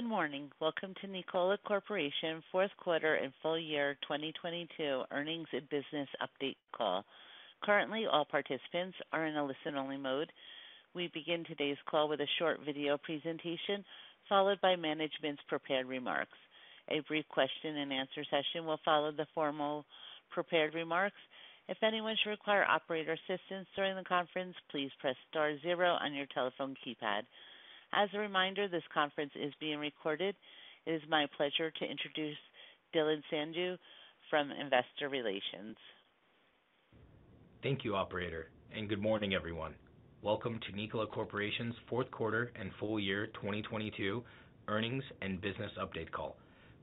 Good morning. Welcome to Nikola Corporation 4th quarter and full year 2022 earnings and business update call. Currently, all participants are in a listen-only mode. We begin today's call with a short video presentation, followed by management's prepared remarks. A brief question and answer session will follow the formal prepared remarks. If anyone should require operator assistance during the conference, please press *0 on your telephone keypad. As a reminder, this conference is being recorded. It is my pleasure to introduce Dhillon Sandhu from Investor Relations. Thank you, operator. Good morning, everyone. Welcome to Nikola Corporation's fourth quarter and full year 2022 earnings and business update call.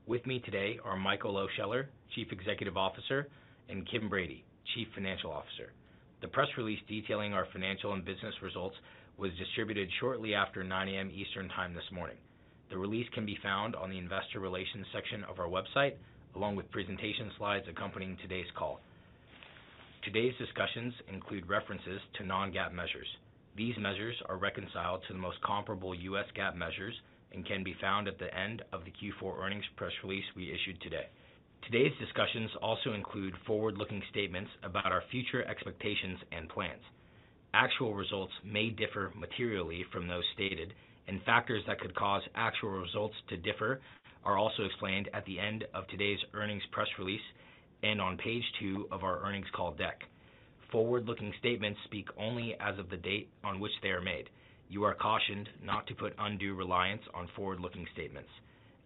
With me today are Michael Lohscheller, Chief Executive Officer, and Kim Brady, Chief Financial Officer. The press release detailing our financial and business results was distributed shortly after 9:00 A.M. Eastern Time this morning. The release can be found on the investor relations section of our website, along with presentation slides accompanying today's call. Today's discussions include references to non-GAAP measures. These measures are reconciled to the most comparable US GAAP measures and can be found at the end of the Q4 earnings press release we issued today. Today's discussions also include forward-looking statements about our future expectations and plans. Actual results may differ materially from those stated. Factors that could cause actual results to differ are also explained at the end of today's earnings press release and on page two of our earnings call deck. Forward-looking statements speak only as of the date on which they are made. You are cautioned not to put undue reliance on forward-looking statements.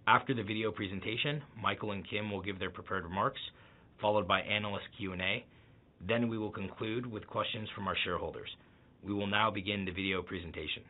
After the video presentation, Michael and Kim will give their prepared remarks, followed by analyst Q&A. We will conclude with questions from our shareholders. We will now begin the video presentation.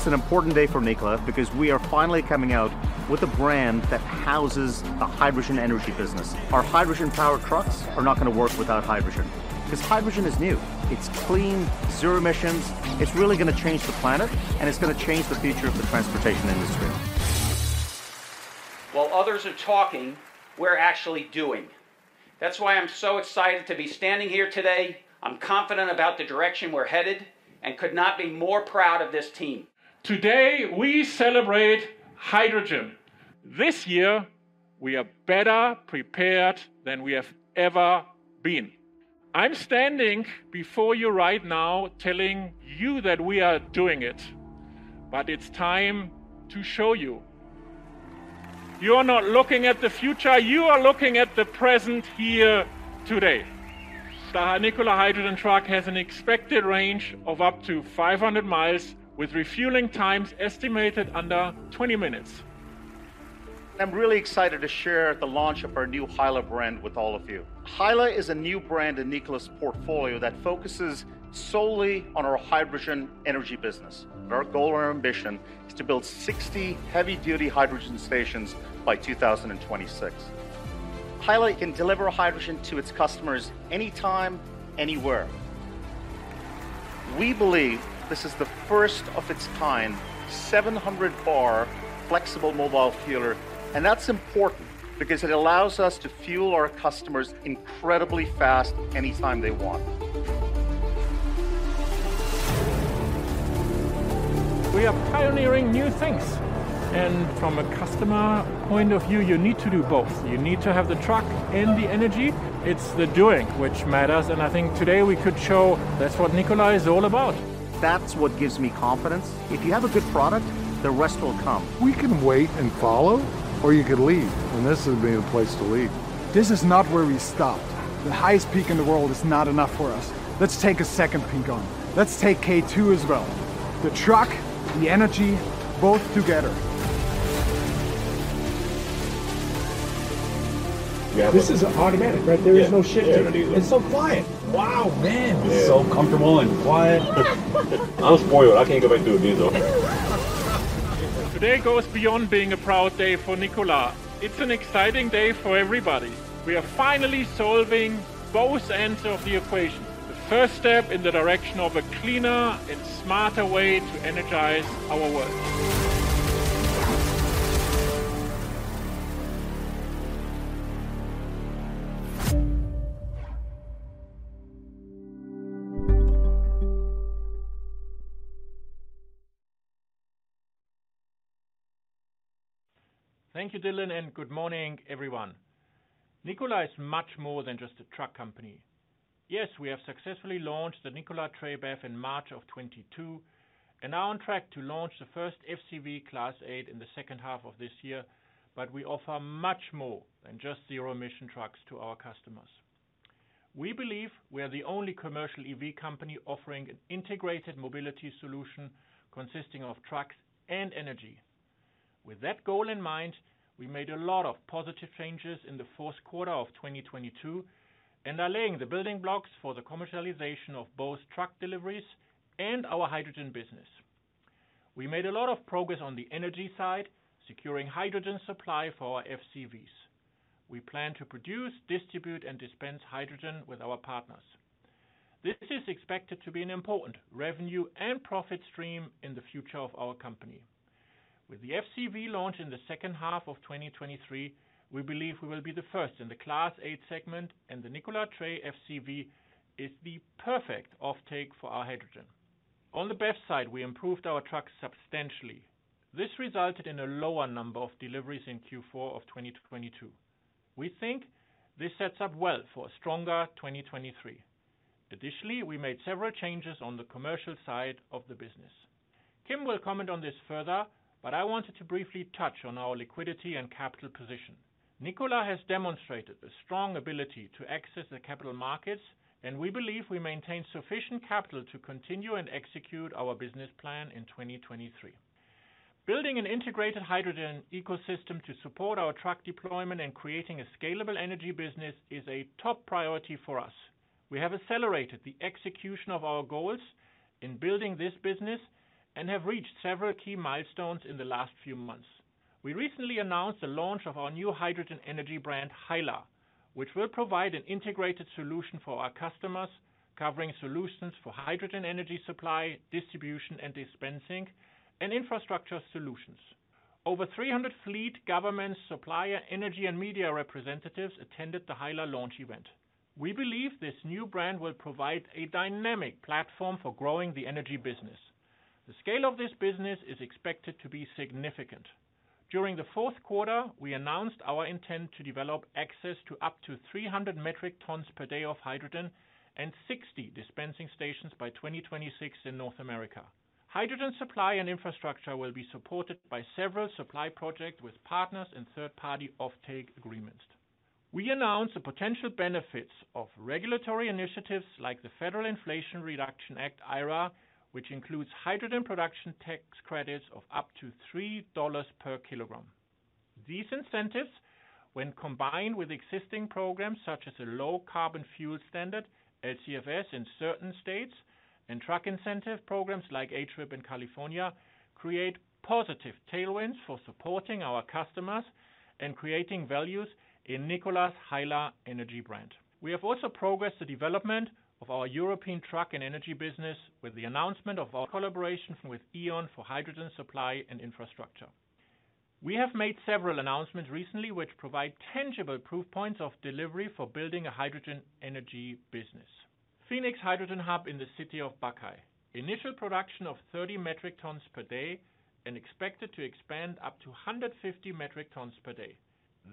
It's an important day for Nikola because we are finally coming out with a brand that houses the hydrogen energy business. Our hydrogen-powered trucks are not gonna work without hydrogen, because hydrogen is new. It's clean, zero emissions. It's really gonna change the planet, and it's gonna change the future of the transportation industry. While others are talking, we're actually doing. That's why I'm so excited to be standing here today. I'm confident about the direction we're headed and could not be more proud of this team. Today, we celebrate hydrogen. This year, we are better prepared than we have ever been. I'm standing before you right now telling you that we are doing it. It's time to show you. You are not looking at the future, you are looking at the present here today. The Nikola hydrogen truck has an expected range of up to 500 miles with refueling times estimated under 20 minutes. I'm really excited to share the launch of our new HYLA brand with all of you. HYLA is a new brand in Nikola's portfolio that focuses solely on our hydrogen energy business. Our goal and our ambition is to build 60 heavy-duty hydrogen stations by 2026. HYLA can deliver hydrogen to its customers anytime, anywhere. We believe this is the first of its kind 700 bar flexible mobile fueler. That's important because it allows us to fuel our customers incredibly fast anytime they want. We are pioneering new things, and from a customer point of view, you need to do both. You need to have the truck and the energy. It's the doing which matters, and I think today we could show that's what Nikola is all about. That's what gives me confidence. If you have a good product, the rest will come. We can wait and follow or you could lead, and this would be the place to lead. This is not where we stop. The highest peak in the world is not enough for us. Let's take a second peak on. Let's take K2 as well. The truck, the energy, both together. Yeah. This is automatic, right? There is no shifting. Yeah. It's so quiet. Wow, man. Yeah. It's so comfortable and quiet. I'm spoiled. I can't go back to a diesel. Today goes beyond being a proud day for Nikola. It's an exciting day for everybody. We are finally solving both ends of the equation. The first step in the direction of a cleaner and smarter way to energize our world. Thank you, Dhillon, and good morning, everyone. Nikola is much more than just a truck company. Yes, we have successfully launched the Nikola Tre BEV in March of 2022, and are on track to launch the first FCEV Class 8 in the second half of this year, but we offer much more than just zero-emission trucks to our customers. We believe we are the only commercial EV company offering an integrated mobility solution consisting of trucks and energy. With that goal in mind, we made a lot of positive changes in the fourth quarter of 2022, and are laying the building blocks for the commercialization of both truck deliveries and our hydrogen business. We made a lot of progress on the energy side, securing hydrogen supply for our FCEVs. We plan to produce, distribute, and dispense hydrogen with our partners. This is expected to be an important revenue and profit stream in the future of our company. With the FCEV launch in the second half of 2023, we believe we will be the first in the Class 8 segment, and the Nikola Tre FCEV is the perfect offtake for our hydrogen. On the BEV side, we improved our trucks substantially. This resulted in a lower number of deliveries in Q4 of 2022. We think this sets up well for a stronger 2023. Additionally, we made several changes on the commercial side of the business. Kim will comment on this further, but I wanted to briefly touch on our liquidity and capital position. Nikola has demonstrated a strong ability to access the capital markets, and we believe we maintain sufficient capital to continue and execute our business plan in 2023. Building an integrated hydrogen ecosystem to support our truck deployment and creating a scalable energy business is a top priority for us. We have accelerated the execution of our goals in building this business and have reached several key milestones in the last few months. We recently announced the launch of our new hydrogen energy brand, HYLA, which will provide an integrated solution for our customers, covering solutions for hydrogen energy supply, distribution and dispensing, and infrastructure solutions. Over 300 fleet government, supplier energy, and media representatives attended the HYLA launch event. We believe this new brand will provide a dynamic platform for growing the energy business. The scale of this business is expected to be significant. During the fourth quarter, we announced our intent to develop access to up to 300 metric tons per day of hydrogen and 60 dispensing stations by 2026 in North America. Hydrogen supply and infrastructure will be supported by several supply projects with partners and third-party offtake agreements. We announced the potential benefits of regulatory initiatives like the Federal Inflation Reduction Act, IRA, which includes hydrogen production tax credits of up to $3 per kilogram. These incentives, when combined with existing programs such as a Low Carbon Fuel Standard, LCFS, in certain states and truck incentive programs like HVIP in California, create positive tailwinds for supporting our customers and creating values in Nikola's HYLA energy brand. We have also progressed the development of our European truck and energy business with the announcement of our collaboration with E.ON for hydrogen supply and infrastructure. We have made several announcements recently which provide tangible proof points of delivery for building a hydrogen energy business. Phoenix Hydrogen Hub in the city of Buckeye, initial production of 30 metric tons per day and expected to expand up to 150 metric tons per day.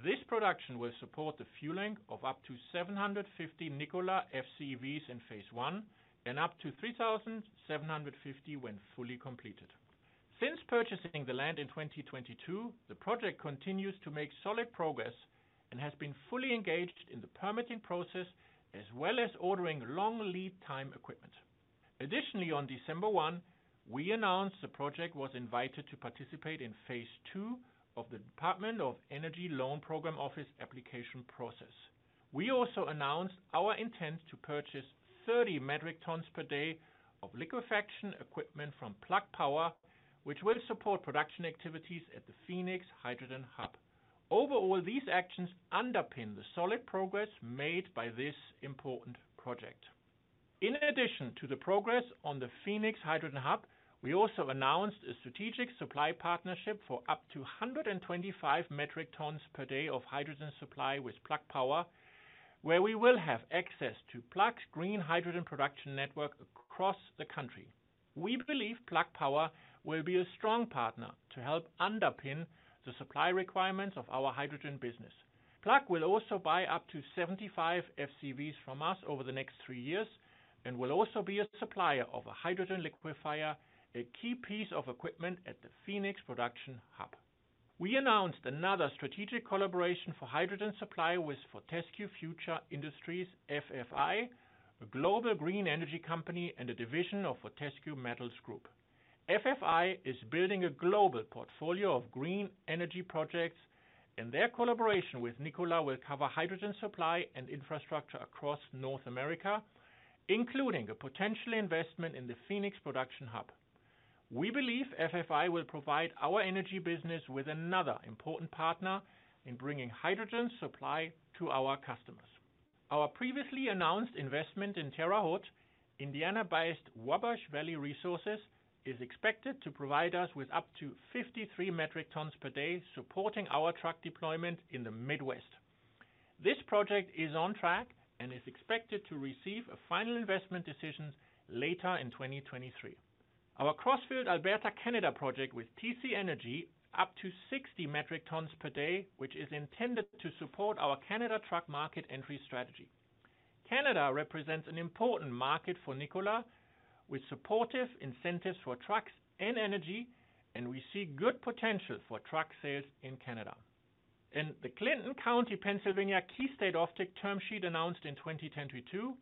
This production will support the fueling of up to 750 Nikola FCVs in phase one and up to 3,750 when fully completed. Since purchasing the land in 2022, the project continues to make solid progress and has been fully engaged in the permitting process, as well as ordering long lead time equipment. Additionally, on December 1, we announced the project was invited to participate in phase two of the Department of Energy Loan Programs Office application process. We also announced our intent to purchase 30 metric tons per day of liquefaction equipment from Plug Power, which will support production activities at the Phoenix Hydrogen Hub. Overall, these actions underpin the solid progress made by this important project. In addition to the progress on the Phoenix Hydrogen Hub, we also announced a strategic supply partnership for up to 125 metric tons per day of hydrogen supply with Plug Power, where we will have access to Plug's green hydrogen production network across the country. We believe Plug Power will be a strong partner to help underpin the supply requirements of our hydrogen business. Plug will also buy up to 75 FCVs from us over the next three years and will also be a supplier of a hydrogen liquefier, a key piece of equipment at the Phoenix Production Hub. We announced another strategic collaboration for hydrogen supply with Fortescue Future Industries, FFI, a global green energy company, and a division of Fortescue Metals Group. FFI is building a global portfolio of green energy projects. Their collaboration with Nikola will cover hydrogen supply and infrastructure across North America, including a potential investment in the Phoenix Production Hub. We believe FFI will provide our energy business with another important partner in bringing hydrogen supply to our customers. Our previously announced investment in Terre Haute, Indiana-based Wabash Valley Resources, is expected to provide us with up to 53 metric tons per day, supporting our truck deployment in the Midwest. This project is on track and is expected to receive a final investment decision later in 2023. Our Crossfield, Alberta, Canada project with TC Energy, up to 60 metric tons per day, which is intended to support our Canada truck market entry strategy. Canada represents an important market for Nikola with supportive incentives for trucks and energy, we see good potential for truck sales in Canada. In the Clinton County, Pennsylvania, KeyState offtake term sheet announced in 2022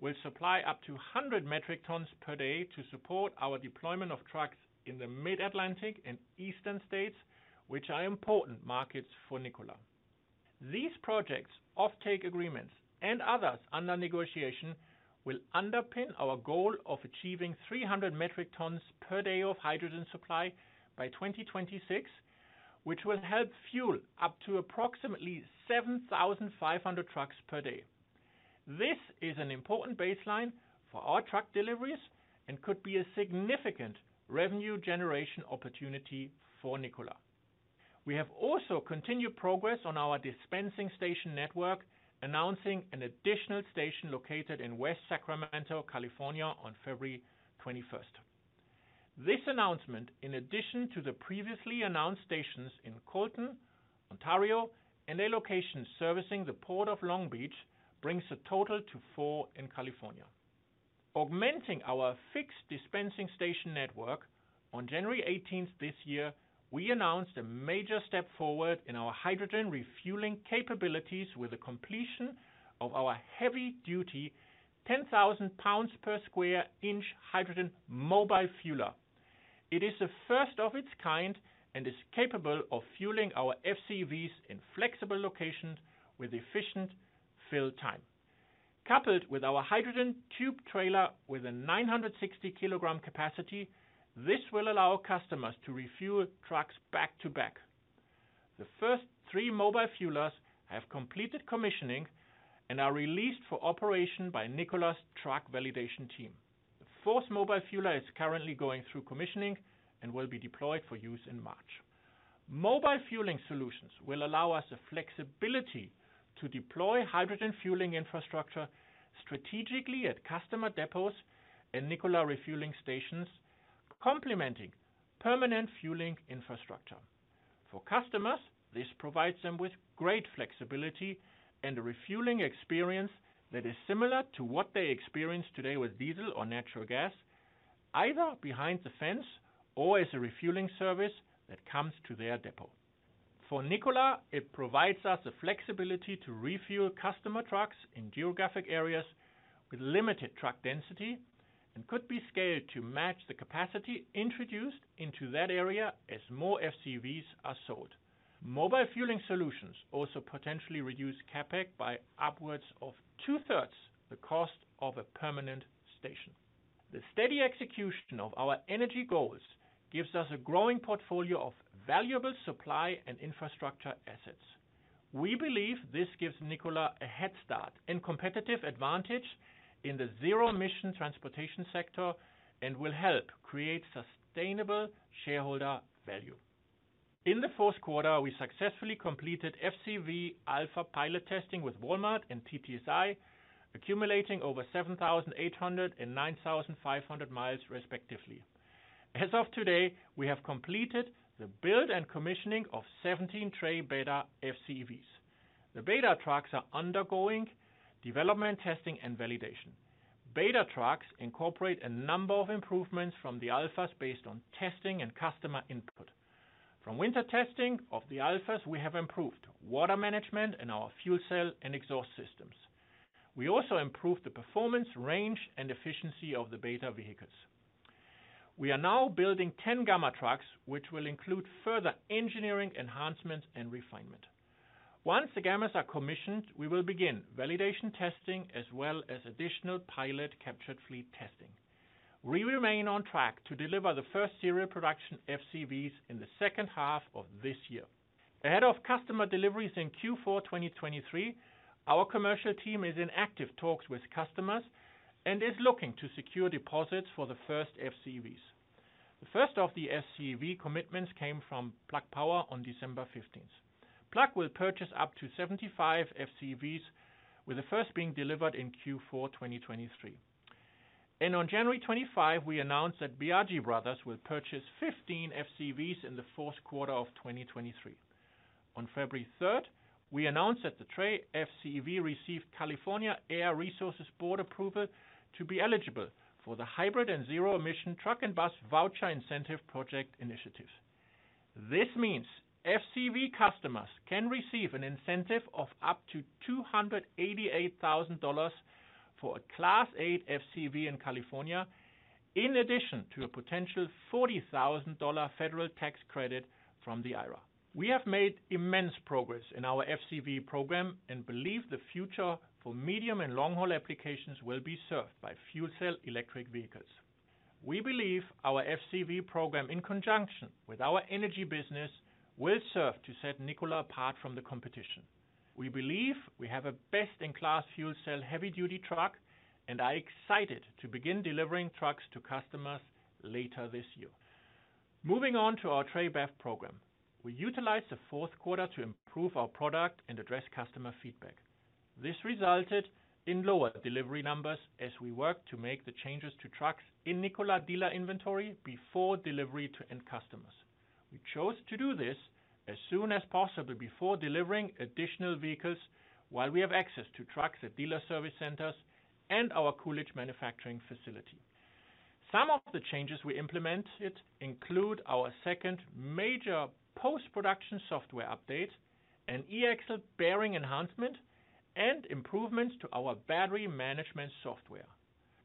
will supply up to 100 metric tons per day to support our deployment of trucks in the Mid-Atlantic and Eastern states, which are important markets for Nikola. These projects, offtake agreements, and others under negotiation will underpin our goal of achieving 300 metric tons per day of hydrogen supply by 2026, which will help fuel up to approximately 7,500 trucks per day. This is an important baseline for our truck deliveries and could be a significant revenue generation opportunity for Nikola. We have also continued progress on our dispensing station network, announcing an additional station located in West Sacramento, California, on February 21st. This announcement, in addition to the previously announced stations in Colton, Ontario, and a location servicing the Port of Long Beach, brings the total to four in California. Augmenting our fixed dispensing station network, on January 18th this year, we announced a major step forward in our hydrogen refueling capabilities with the completion of our heavy-duty 10,000 pounds per square inch hydrogen mobile fueler. It is the first of its kind and is capable of fueling our FCVs in flexible locations with efficient fill time. Coupled with our hydrogen tube trailer with a 960 kilogram capacity, this will allow customers to refuel trucks back-to-back. The first three mobile fuelers have completed commissioning and are released for operation by Nikola's truck validation team. The fourth mobile fueler is currently going through commissioning and will be deployed for use in March. Mobile fueling solutions will allow us the flexibility to deploy hydrogen fueling infrastructure strategically at customer depots and Nikola refueling stations, complementing permanent fueling infrastructure. For customers, this provides them with great flexibility and a refueling experience that is similar to what they experience today with diesel or natural gas, either behind the fence or as a refueling service that comes to their depot. For Nikola, it provides us the flexibility to refuel customer trucks in geographic areas with limited truck density and could be scaled to match the capacity introduced into that area as more FCVs are sold. Mobile fueling solutions also potentially reduce CapEx by upwards of two-thirds the cost of a permanent station. The steady execution of our energy goals gives us a growing portfolio of valuable supply and infrastructure assets. We believe this gives Nikola a head start and competitive advantage in the zero-emission transportation sector and will help create sustainable shareholder value. In the fourth quarter, we successfully completed FCV alpha pilot testing with Walmart and TTSI, accumulating over 7,800 and 9,500 miles respectively. As of today, we have completed the build and commissioning of 17 Tre beta FCVs. The beta trucks are undergoing development, testing, and validation. Beta trucks incorporate a number of improvements from the alphas based on testing and customer input. From winter testing of the alphas, we have improved water management in our fuel cell and exhaust systems. We also improved the performance, range, and efficiency of the beta vehicles. We are now building 10 Gamma trucks, which will include further engineering enhancements and refinement. Once the Gammas are commissioned, we will begin validation testing as well as additional pilot captured fleet testing. We remain on track to deliver the first serial production FCVs in the second half of this year. Ahead of customer deliveries in Q4 2023, our commercial team is in active talks with customers and is looking to secure deposits for the first FCVs. The first of the FCV commitments came from Plug Power on December 15th. Plug will purchase up to 75 FCVs, with the first being delivered in Q4 2023. On January 25, we announced that Biagi Brothers will purchase 15 FCVs in the fourth quarter of 2023. On February 3rd, we announced that the Tre FCV received California Air Resources Board approval to be eligible for the Hybrid and Zero-Emission Truck and Bus Voucher Incentive Project initiatives. This means FCV customers can receive an incentive of up to $288,000 for a Class 8 FCV in California, in addition to a potential $40,000 federal tax credit from the IRA. We have made immense progress in our FCV program and believe the future for medium and long-haul applications will be served by fuel cell electric vehicles. We believe our FCV program, in conjunction with our energy business, will serve to set Nikola apart from the competition. We believe we have a best-in-class fuel cell heavy-duty truck and are excited to begin delivering trucks to customers later this year. Moving on to our Tre BEV program. We utilized the fourth quarter to improve our product and address customer feedback. This resulted in lower delivery numbers as we work to make the changes to trucks in Nikola dealer inventory before delivery to end customers. We chose to do this as soon as possible before delivering additional vehicles while we have access to trucks at dealer service centers and our Coolidge manufacturing facility. Some of the changes we implemented include our second major post-production software update, an e-axle bearing enhancement and improvements to our battery management software.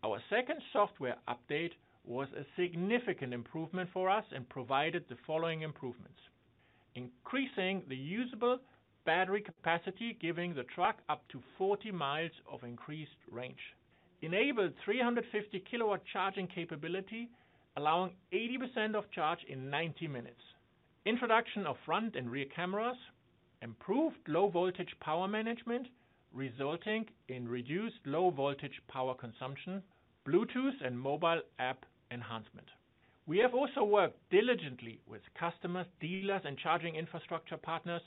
Our second software update was a significant improvement for us and provided the following improvements. Increasing the usable battery capacity, giving the truck up to 40 miles of increased range. Enabled 350 kilowatt charging capability, allowing 80% of charge in 90 minutes. Introduction of front and rear cameras. Improved low-voltage power management, resulting in reduced low-voltage power consumption. Bluetooth and mobile app enhancement. We have also worked diligently with customers, dealers, and charging infrastructure partners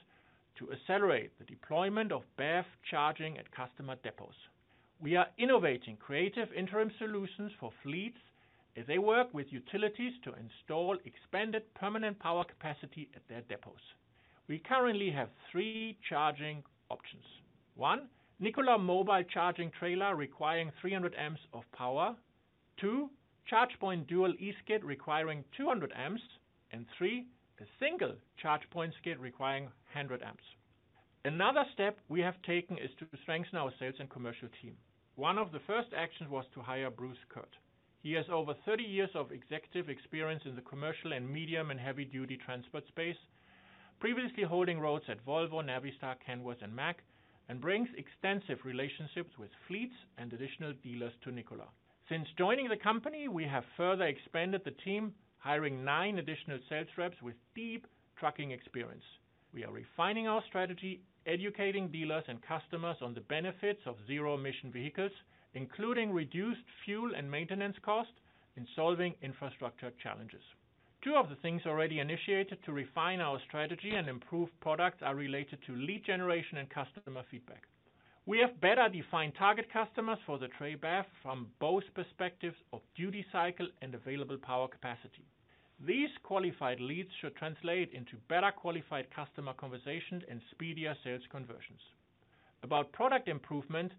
to accelerate the deployment of BEV charging at customer depots. We are innovating creative interim solutions for fleets as they work with utilities to install expanded permanent power capacity at their depots. We currently have three charging options. One, Nikola mobile charging trailer requiring 300 amps of power. Two, ChargePoint dual E skid requiring 200 amps. Three, the single ChargePoint skid requiring 100 amps. Another step we have taken is to strengthen our sales and commercial team. One of the first actions was to hire Bruce Kurtt. He has over 30 years of executive experience in the commercial and medium and heavy-duty transport space, previously holding roles at Volvo, Navistar, Kenworth and Mack, and brings extensive relationships with fleets and additional dealers to Nikola. Since joining the company, we have further expanded the team, hiring 9 additional sales reps with deep trucking experience. We are refining our strategy, educating dealers and customers on the benefits of zero-emission vehicles, including reduced fuel and maintenance costs in solving infrastructure challenges. Two of the things already initiated to refine our strategy and improve products are related to lead generation and customer feedback. We have better defined target customers for the Tre BEV from both perspectives of duty cycle and available power capacity. These qualified leads should translate into better qualified customer conversations and speedier sales conversions. About product improvement,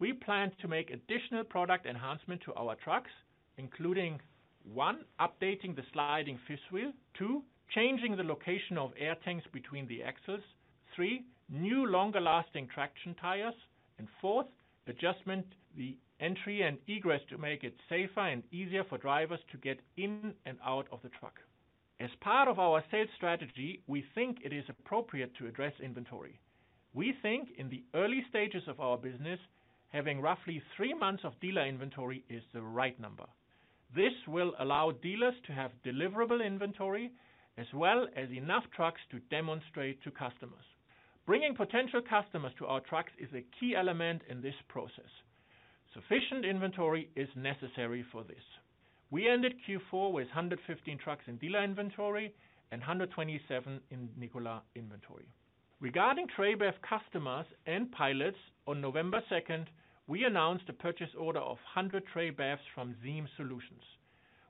we plan to make additional product enhancement to our trucks, including, 1, updating the sliding fifth wheel. 2, changing the location of air tanks between the axles. 3, new longer-lasting traction tires. Fourth, adjustment the entry and egress to make it safer and easier for drivers to get in and out of the truck. As part of our sales strategy, we think it is appropriate to address inventory. We think in the early stages of our business, having roughly 3 months of dealer inventory is the right number. This will allow dealers to have deliverable inventory, as well as enough trucks to demonstrate to customers. Bringing potential customers to our trucks is a key element in this process. Sufficient inventory is necessary for this. We ended Q4 with 115 trucks in dealer inventory and 127 in Nikola inventory. Regarding Tre BEV customers and pilots, on November second, we announced a purchase order of 100 Tre BEVs from Zeem Solutions.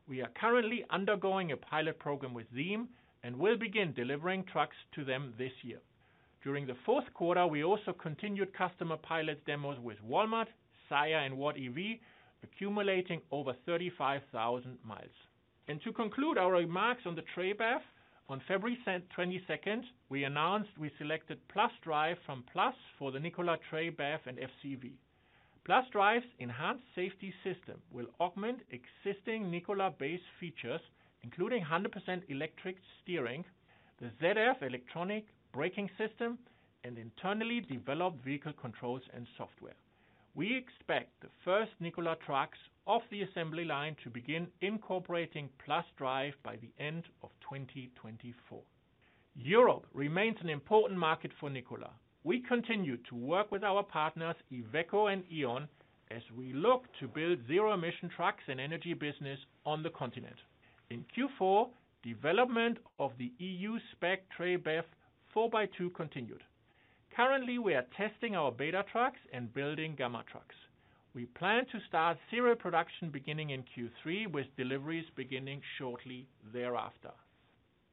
We are currently undergoing a pilot program with Zeem and will begin delivering trucks to them this year. During the fourth quarter, we also continued customer pilot demos with Walmart, Saia, and WattEV, accumulating over 35,000 miles. To conclude our remarks on the Tre BEV, on February second, 2022, we announced we selected PlusDrive from Plus for the Nikola Tre BEV and FCV. PlusDrive's enhanced safety system will augment existing Nikola base features, including 100% electric steering, the ZF Electronic Braking System, and internally developed vehicle controls and software. We expect the first Nikola trucks off the assembly line to begin incorporating PlusDrive by the end of 2024. Europe remains an important market for Nikola. We continue to work with our partners, Iveco and E.ON, as we look to build zero-emission trucks and energy business on the continent. In Q4, development of the EU spec Tre BEV 4x2 continued. Currently, we are testing our beta trucks and building Gamma trucks. We plan to start serial production beginning in Q3, with deliveries beginning shortly thereafter.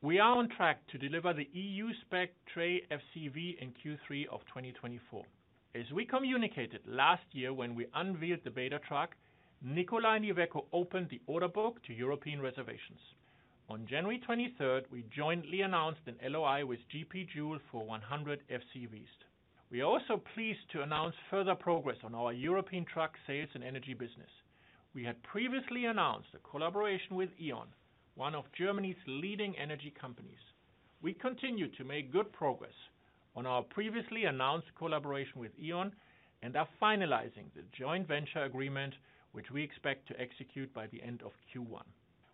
We are on track to deliver the EU spec Tre FCV in Q3 of 2024. As we communicated last year when we unveiled the beta truck, Nikola and Iveco opened the order book to European reservations. On January 23rd, we jointly announced an LOI with GP JOULE for 100 FCVs. We are also pleased to announce further progress on our European truck sales and energy business. We had previously announced a collaboration with E.ON, one of Germany's leading energy companies. We continue to make good progress on our previously announced collaboration with E.ON and are finalizing the joint venture agreement, which we expect to execute by the end of Q1.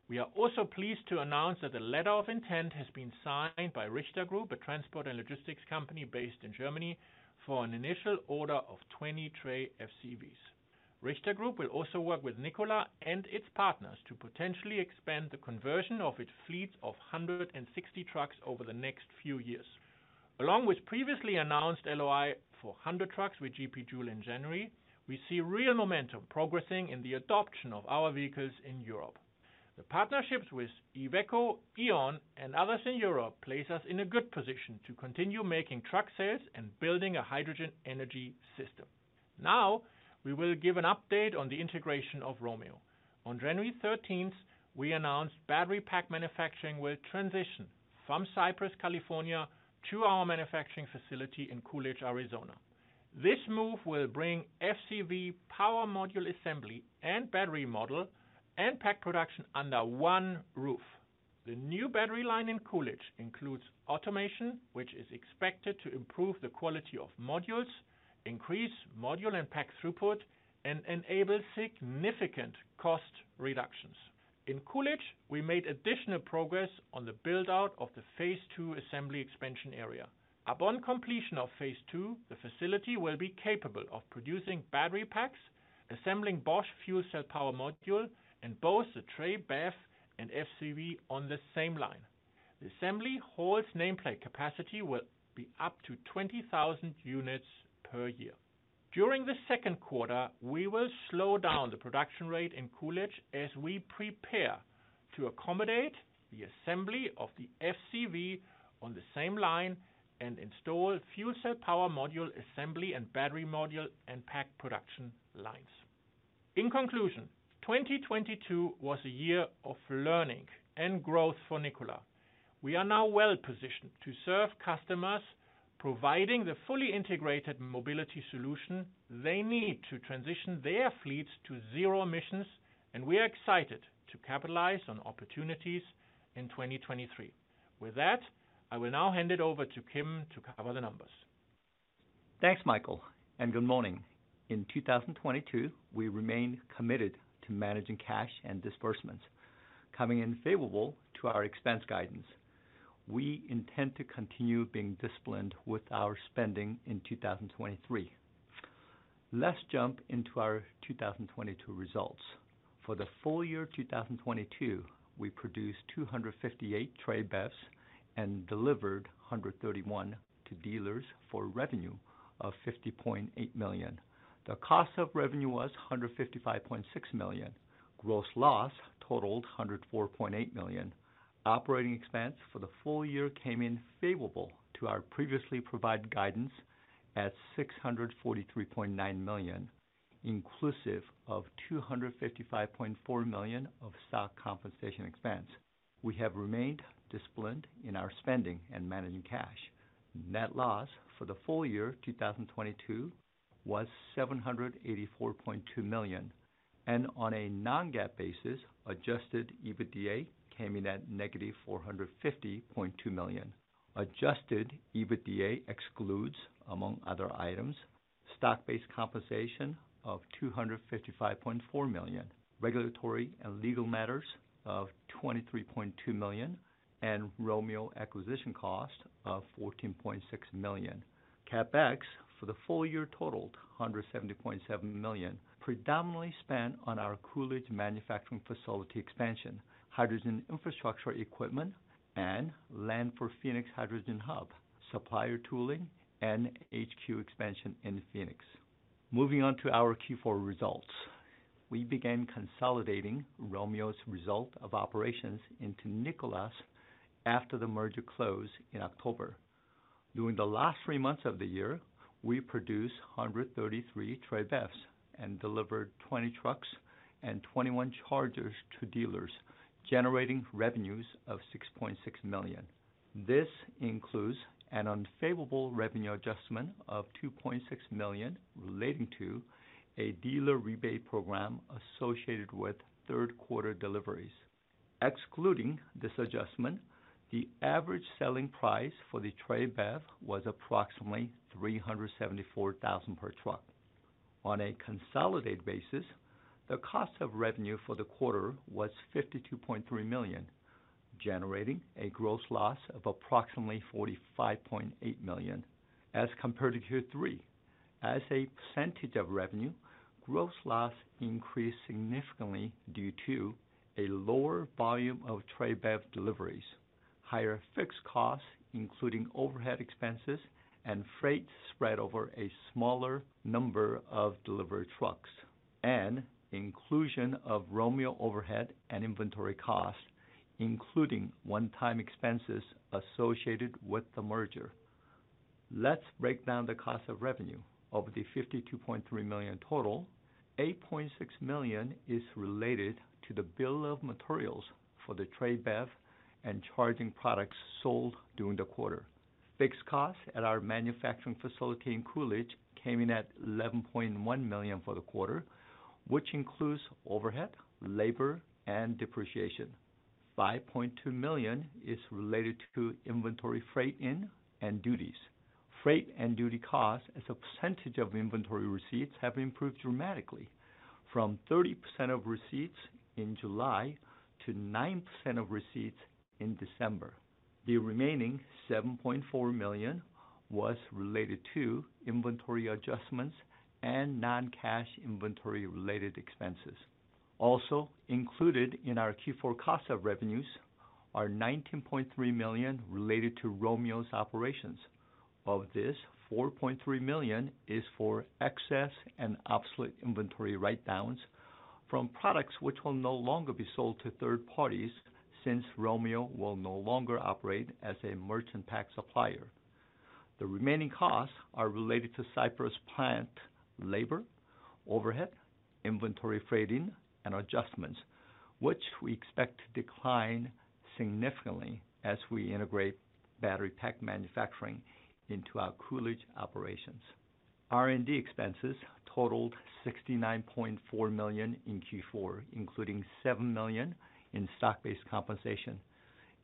We are also pleased to announce that a letter of intent has been signed by Richter Group, a transport and logistics company based in Germany, for an initial order of 20 Tre FCVs. Richter Group will also work with Nikola and its partners to potentially expand the conversion of its fleets of 160 trucks over the next few years. Previously announced LOI for 100 trucks with GP JOULE in January, we see real momentum progressing in the adoption of our vehicles in Europe. The partnerships with Iveco, E.ON, and others in Europe place us in a good position to continue making truck sales and building a hydrogen energy system. We will give an update on the integration of Romeo. On January 13th, we announced battery pack manufacturing will transition from Cypress, California, to our manufacturing facility in Coolidge, Arizona. This move will bring FCV power module assembly and battery model and pack production under one roof. The new battery line in Coolidge includes automation, which is expected to improve the quality of modules, increase module and pack throughput, and enable significant cost reductions. In Coolidge, we made additional progress on the build-out of the phase 2 assembly expansion area. Upon completion of phase 2, the facility will be capable of producing battery packs, assembling Bosch fuel cell power module in both the Tre BEV and FCV on the same line. The assembly hall's nameplate capacity will be up to 20,000 units per year. During the second quarter, we will slow down the production rate in Coolidge as we prepare to accommodate the assembly of the FCV on the same line and install fuel cell power module assembly and battery module and pack production lines. In conclusion, 2022 was a year of learning and growth for Nikola. We are now well-positioned to serve customers providing the fully integrated mobility solution they need to transition their fleets to zero emissions, and we are excited to capitalize on opportunities in 2023. With that, I will now hand it over to Kim to cover the numbers. Thanks, Michael. Good morning. In 2022, we remained committed to managing cash and disbursements, coming in favorable to our expense guidance. We intend to continue being disciplined with our spending in 2023. Let's jump into our 2022 results. For the full year 2022, we produced 258 Tre BEVs and delivered 131 to dealers for revenue of $50.8 million. The cost of revenue was $155.6 million. Gross loss totaled $104.8 million. Operating expense for the full year came in favorable to our previously provided guidance at $643.9 million, inclusive of $255.4 million of stock compensation expense. We have remained disciplined in our spending and managing cash. Net loss for the full year 2022 was $784.2 million. On a non-GAAP basis, adjusted EBITDA came in at negative $450.2 million. Adjusted EBITDA excludes, among other items, stock-based compensation of $255.4 million, regulatory and legal matters of $23.2 million, and Romeo acquisition cost of $14.6 million. CapEx for the full year totaled $170.7 million, predominantly spent on our Coolidge manufacturing facility expansion, hydrogen infrastructure equipment, and land for Phoenix Hydrogen Hub, supplier tooling, and HQ expansion in Phoenix. Moving on to our Q4 results. We began consolidating Romeo's result of operations into Nikola's after the merger close in October. During the last three months of the year, we produced 133 Tre BEVs and delivered 20 trucks and 21 chargers to dealers, generating revenues of $6.6 million. This includes an unfavorable revenue adjustment of $2.6 million relating to a dealer rebate program associated with third quarter deliveries. Excluding this adjustment, the average selling price for the Tre BEV was approximately $374,000 per truck. On a consolidated basis, the cost of revenue for the quarter was $52.3 million, generating a gross loss of approximately $45.8 million as compared to Q3. As a percentage of revenue, gross loss increased significantly due to a lower volume of Tre BEV deliveries, higher fixed costs, including overhead expenses and freight spread over a smaller number of delivered trucks, inclusion of Romeo overhead and inventory costs, including one-time expenses associated with the merger. Let's break down the cost of revenue. Of the $52.3 million total, $8.6 million is related to the bill of materials for the Tre BEV and charging products sold during the quarter. Fixed costs at our manufacturing facility in Coolidge came in at $11.1 million for the quarter, which includes overhead, labor, and depreciation. $5.2 million is related to inventory freight in and duties. Freight and duty costs as a percentage of inventory receipts have improved dramatically from 30% of receipts in July to 9% of receipts in December. The remaining $7.4 million was related to inventory adjustments and non-cash inventory-related expenses. So included in our Q4 cost of revenues are $19.3 million related to Romeo's operations. Of this, $4.3 million is for excess and obsolete inventory write-downs. From products which will no longer be sold to third parties since Romeo will no longer operate as a merchant pack supplier. The remaining costs are related to Cypress plant labor, overhead, inventory freight in and adjustments, which we expect to decline significantly as we integrate battery pack manufacturing into our Coolidge operations. R&D expenses totaled $69.4 million in Q4, including $7 million in stock-based compensation.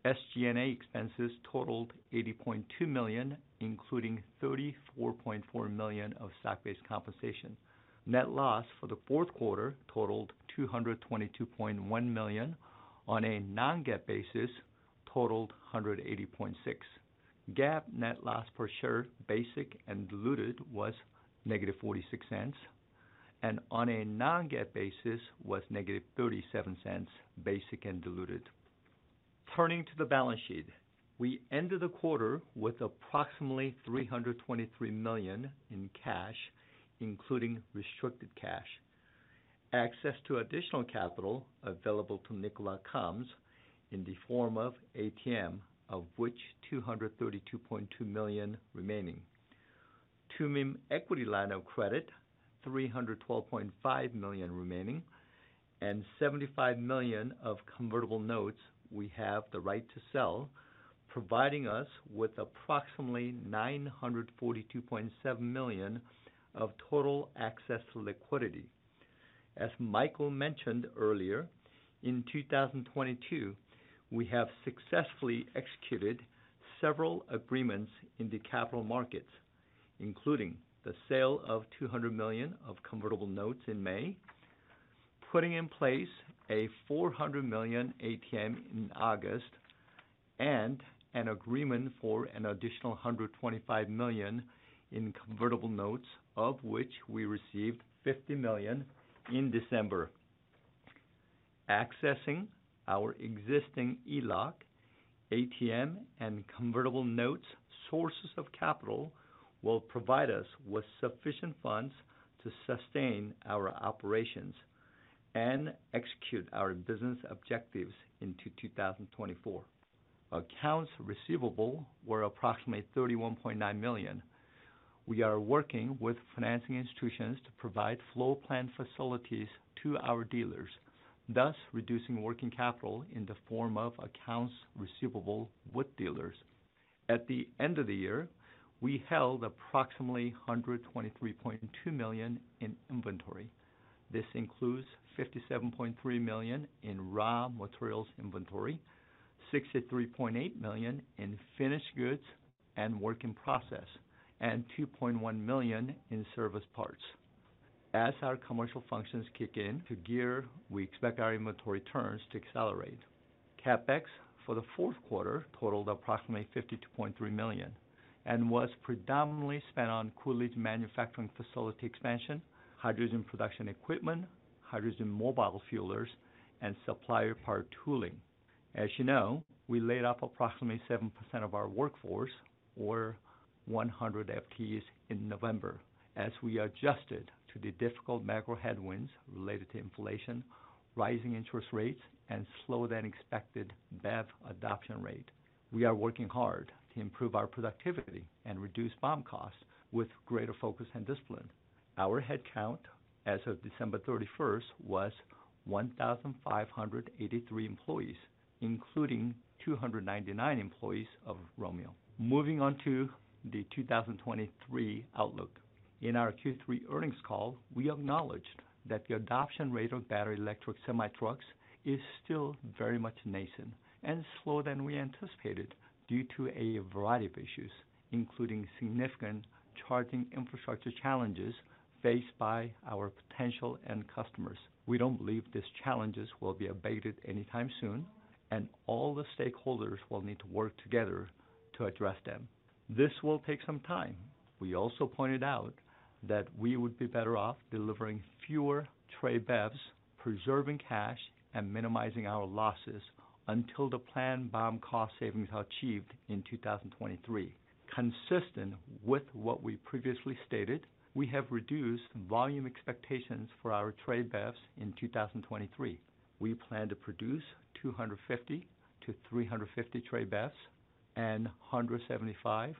SG&A expenses totaled $80.2 million, including $34.4 million of stock-based compensation. Net loss for the fourth quarter totaled $222.1 million. On a non-GAAP basis, totaled $180.6 million. GAAP net loss per share, basic and diluted, was negative $0.46, and on a non-GAAP basis was negative $0.37 basic and diluted. Turning to the balance sheet. We ended the quarter with approximately $323 million in cash, including restricted cash. Access to additional capital available to Nikola comes in the form of ATM, of which $232.2 million remaining. Tumim equity line of credit, $312.5 million remaining, and $75 million of convertible notes we have the right to sell, providing us with approximately $942.7 million of total access to liquidity. As Michael mentioned earlier, in 2022, we have successfully executed several agreements in the capital markets, including the sale of $200 million of convertible notes in May, putting in place a $400 million ATM in August, and an agreement for an additional $125 million in convertible notes, of which we received $50 million in December. Accessing our existing ELOC, ATM, and convertible notes sources of capital will provide us with sufficient funds to sustain our operations and execute our business objectives into 2024. Accounts receivable were approximately $31.9 million. We are working with financing institutions to provide floor plan facilities to our dealers, thus reducing working capital in the form of accounts receivable with dealers. At the end of the year, we held approximately $123.2 million in inventory. This includes $57.3 million in raw materials inventory, $63.8 million in finished goods and work in process, and $2.1 million in service parts. As our commercial functions kick in to gear, we expect our inventory turns to accelerate. CapEx for the fourth quarter totaled approximately $52.3 million and was predominantly spent on Coolidge manufacturing facility expansion, hydrogen production equipment, hydrogen mobile fuelers, and supplier part tooling. As you know, we laid off approximately 7% of our workforce, or 100 FTEs in November, as we adjusted to the difficult macro headwinds related to inflation, rising interest rates, and slower than expected BEV adoption rate. We are working hard to improve our productivity and reduce BOM costs with greater focus and discipline. Our headcount as of December 31st was 1,583 employees, including 299 employees of Romeo. Moving on to the 2023 outlook. In our Q3 earnings call, we acknowledged that the adoption rate of battery-electric semi-trucks is still very much nascent and slower than we anticipated due to a variety of issues, including significant charging infrastructure challenges faced by our potential end customers. We don't believe these challenges will be abated anytime soon. All the stakeholders will need to work together to address them. This will take some time. We also pointed out that we would be better off delivering fewer Tre BEVs, preserving cash and minimizing our losses until the planned BOM cost savings are achieved in 2023. Consistent with what we previously stated, we have reduced volume expectations for our Tre BEVs in 2023. We plan to produce 250-350 Tre BEVs and 175-225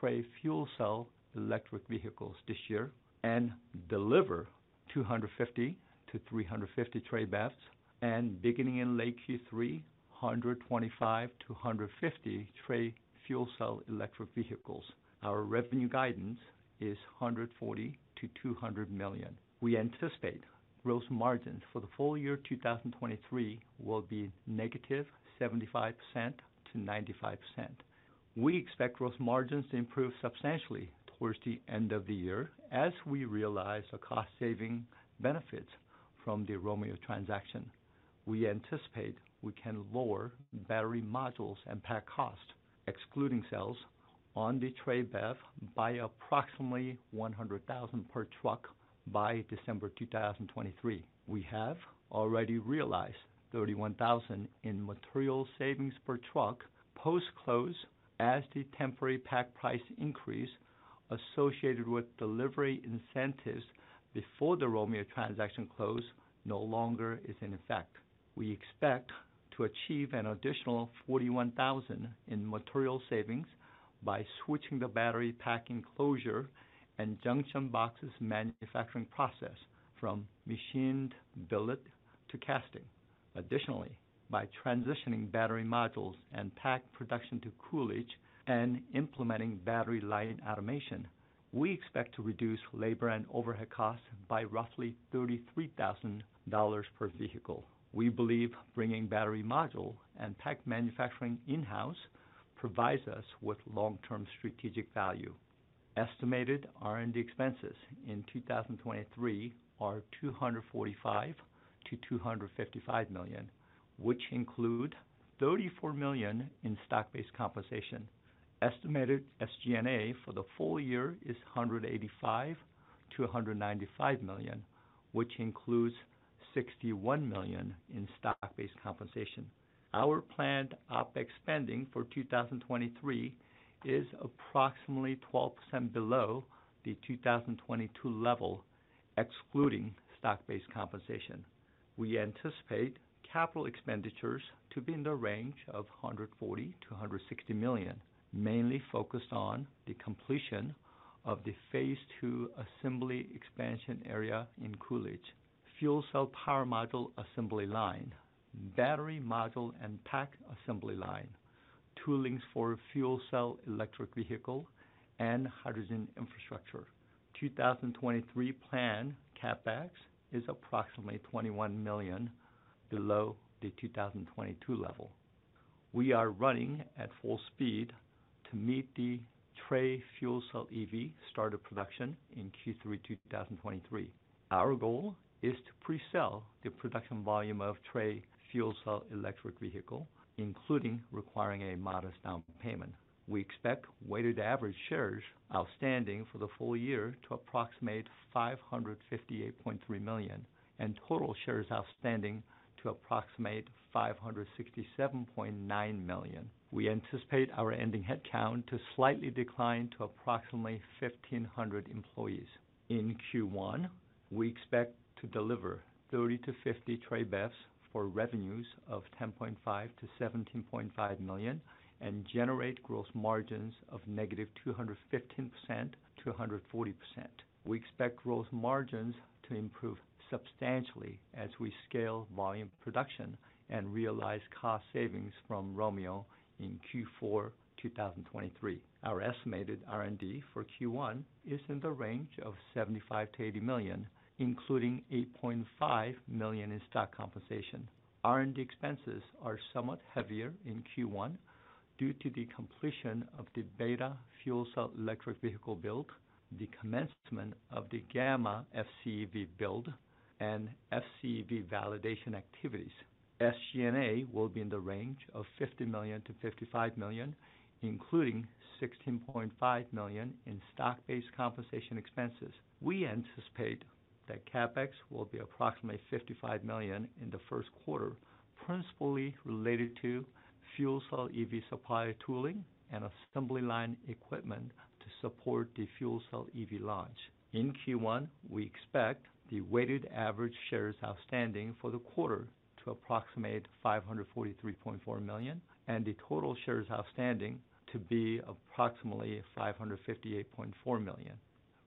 Tre fuel cell electric vehicles this year, and deliver 250-350 Tre BEVs, and beginning in late Q3, 125-150 Tre fuel cell electric vehicles. Our revenue guidance is $140 million-$200 million. We anticipate gross margins for the full year 2023 will be -75% to -95%. We expect gross margins to improve substantially towards the end of the year as we realize the cost-saving benefits from the Romeo transaction. We anticipate we can lower battery modules and pack cost, excluding cells, on the Tre BEV by approximately $100,000 per truck by December 2023. We have already realized $31,000 in material savings per truck post-close as the temporary pack price increase associated with delivery incentives before the Romeo Power transaction closed no longer is in effect. We expect to achieve an additional $41,000 in material savings by switching the battery pack enclosure and junction boxes manufacturing process from machined billet to casting. Additionally, by transitioning battery modules and pack production to Coolidge and implementing battery light automation, we expect to reduce labor and overhead costs by roughly $33,000 per vehicle. We believe bringing battery module and pack manufacturing in-house provides us with long-term strategic value. Estimated R&D expenses in 2023 are $245 million-$255 million, which include $34 million in stock-based compensation. Estimated SG&A for the full year is $185 million-$195 million, which includes $61 million in stock-based compensation. Our planned OpEx spending for 2023 is approximately 12% below the 2022 level, excluding stock-based compensation. We anticipate capital expenditures to be in the range of $140 million-$160 million, mainly focused on the completion of the phase 2 assembly expansion area in Coolidge, fuel cell power module assembly line, battery module and pack assembly line, toolings for fuel cell electric vehicle and hydrogen infrastructure. 2023 planned CapEx is approximately $21 million, below the 2022 level. We are running at full speed to meet the Tre fuel cell EV starter production in Q3 2023. Our goal is to pre-sell the production volume of Tre fuel cell electric vehicle, including requiring a modest down payment. We expect weighted average shares outstanding for the full year to approximate 558.3 million and total shares outstanding to approximate 567.9 million. We anticipate our ending headcount to slightly decline to approximately 1,500 employees. In Q1, we expect to deliver 30 to 50 Tre BEVs for revenues of $10.5 million-$17.5 million and generate gross margins of -215% to 140%. We expect growth margins to improve substantially as we scale volume production and realize cost savings from Romeo in Q4 2023. Our estimated R&D for Q1 is in the range of $75 million-$80 million, including $8.5 million in stock compensation. R&D expenses are somewhat heavier in Q1 due to the completion of the beta fuel cell electric vehicle build, the commencement of the gamma FCEV build, and FCEV validation activities. SG&A will be in the range of $50 million-$55 million, including $16.5 million in stock-based compensation expenses. We anticipate that CapEx will be approximately $55 million in the first quarter, principally related to fuel cell EV supply tooling and assembly line equipment to support the fuel cell EV launch. In Q1, we expect the weighted average shares outstanding for the quarter to approximate 543.4 million and the total shares outstanding to be approximately 558.4 million.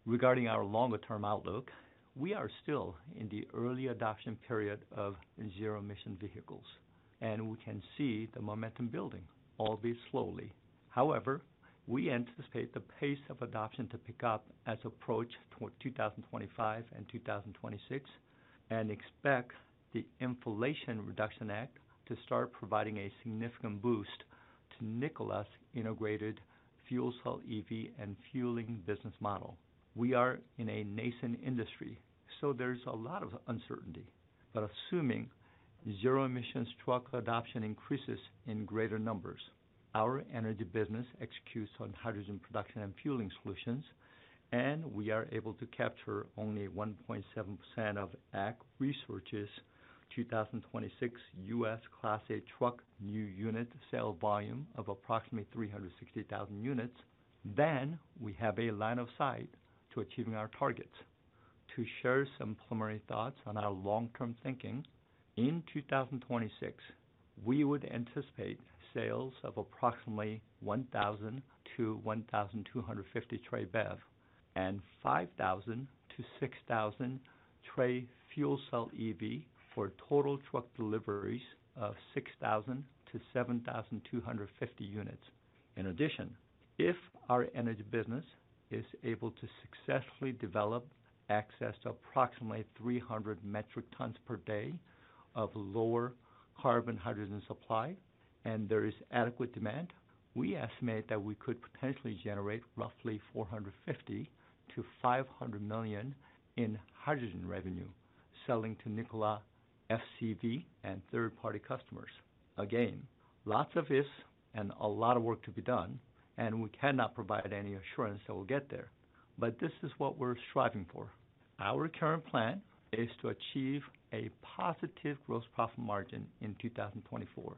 Regarding our longer term outlook, we are still in the early adoption period of zero emission vehicles, and we can see the momentum building, albeit slowly. However we anticipate the pace of adoption to pick up as approach toward 2025 and 2026, and expect the Inflation Reduction Act to start providing a significant boost to Nikola's integrated fuel cell EV and fueling business model. We are in a nascent industry, there's a lot of uncertainty. Assuming zero-emission truck adoption increases in greater numbers, our energy business executes on hydrogen production and fueling solutions, and we are able to capture only 1.7% of ACT Research's 2026 U.S. Class 8 truck new unit sale volume of approximately 360,000 units, then we have a line of sight to achieving our targets. To share some preliminary thoughts on our long-term thinking, in 2026, we would anticipate sales of approximately 1,000-1,250 Tre BEV and 5,000-6,000 Tre fuel cell EV for total truck deliveries of 6,000-7,250 units. If our energy business is able to successfully develop access to approximately 300 metric tons per day of lower carbon hydrogen supply and there is adequate demand, we estimate that we could potentially generate roughly $450 million-$500 million in hydrogen revenue selling to Nikola FCEV and third-party customers. Lots of ifs and a lot of work to be done, we cannot provide any assurance that we'll get there. This is what we're striving for. Our current plan is to achieve a positive gross profit margin in 2024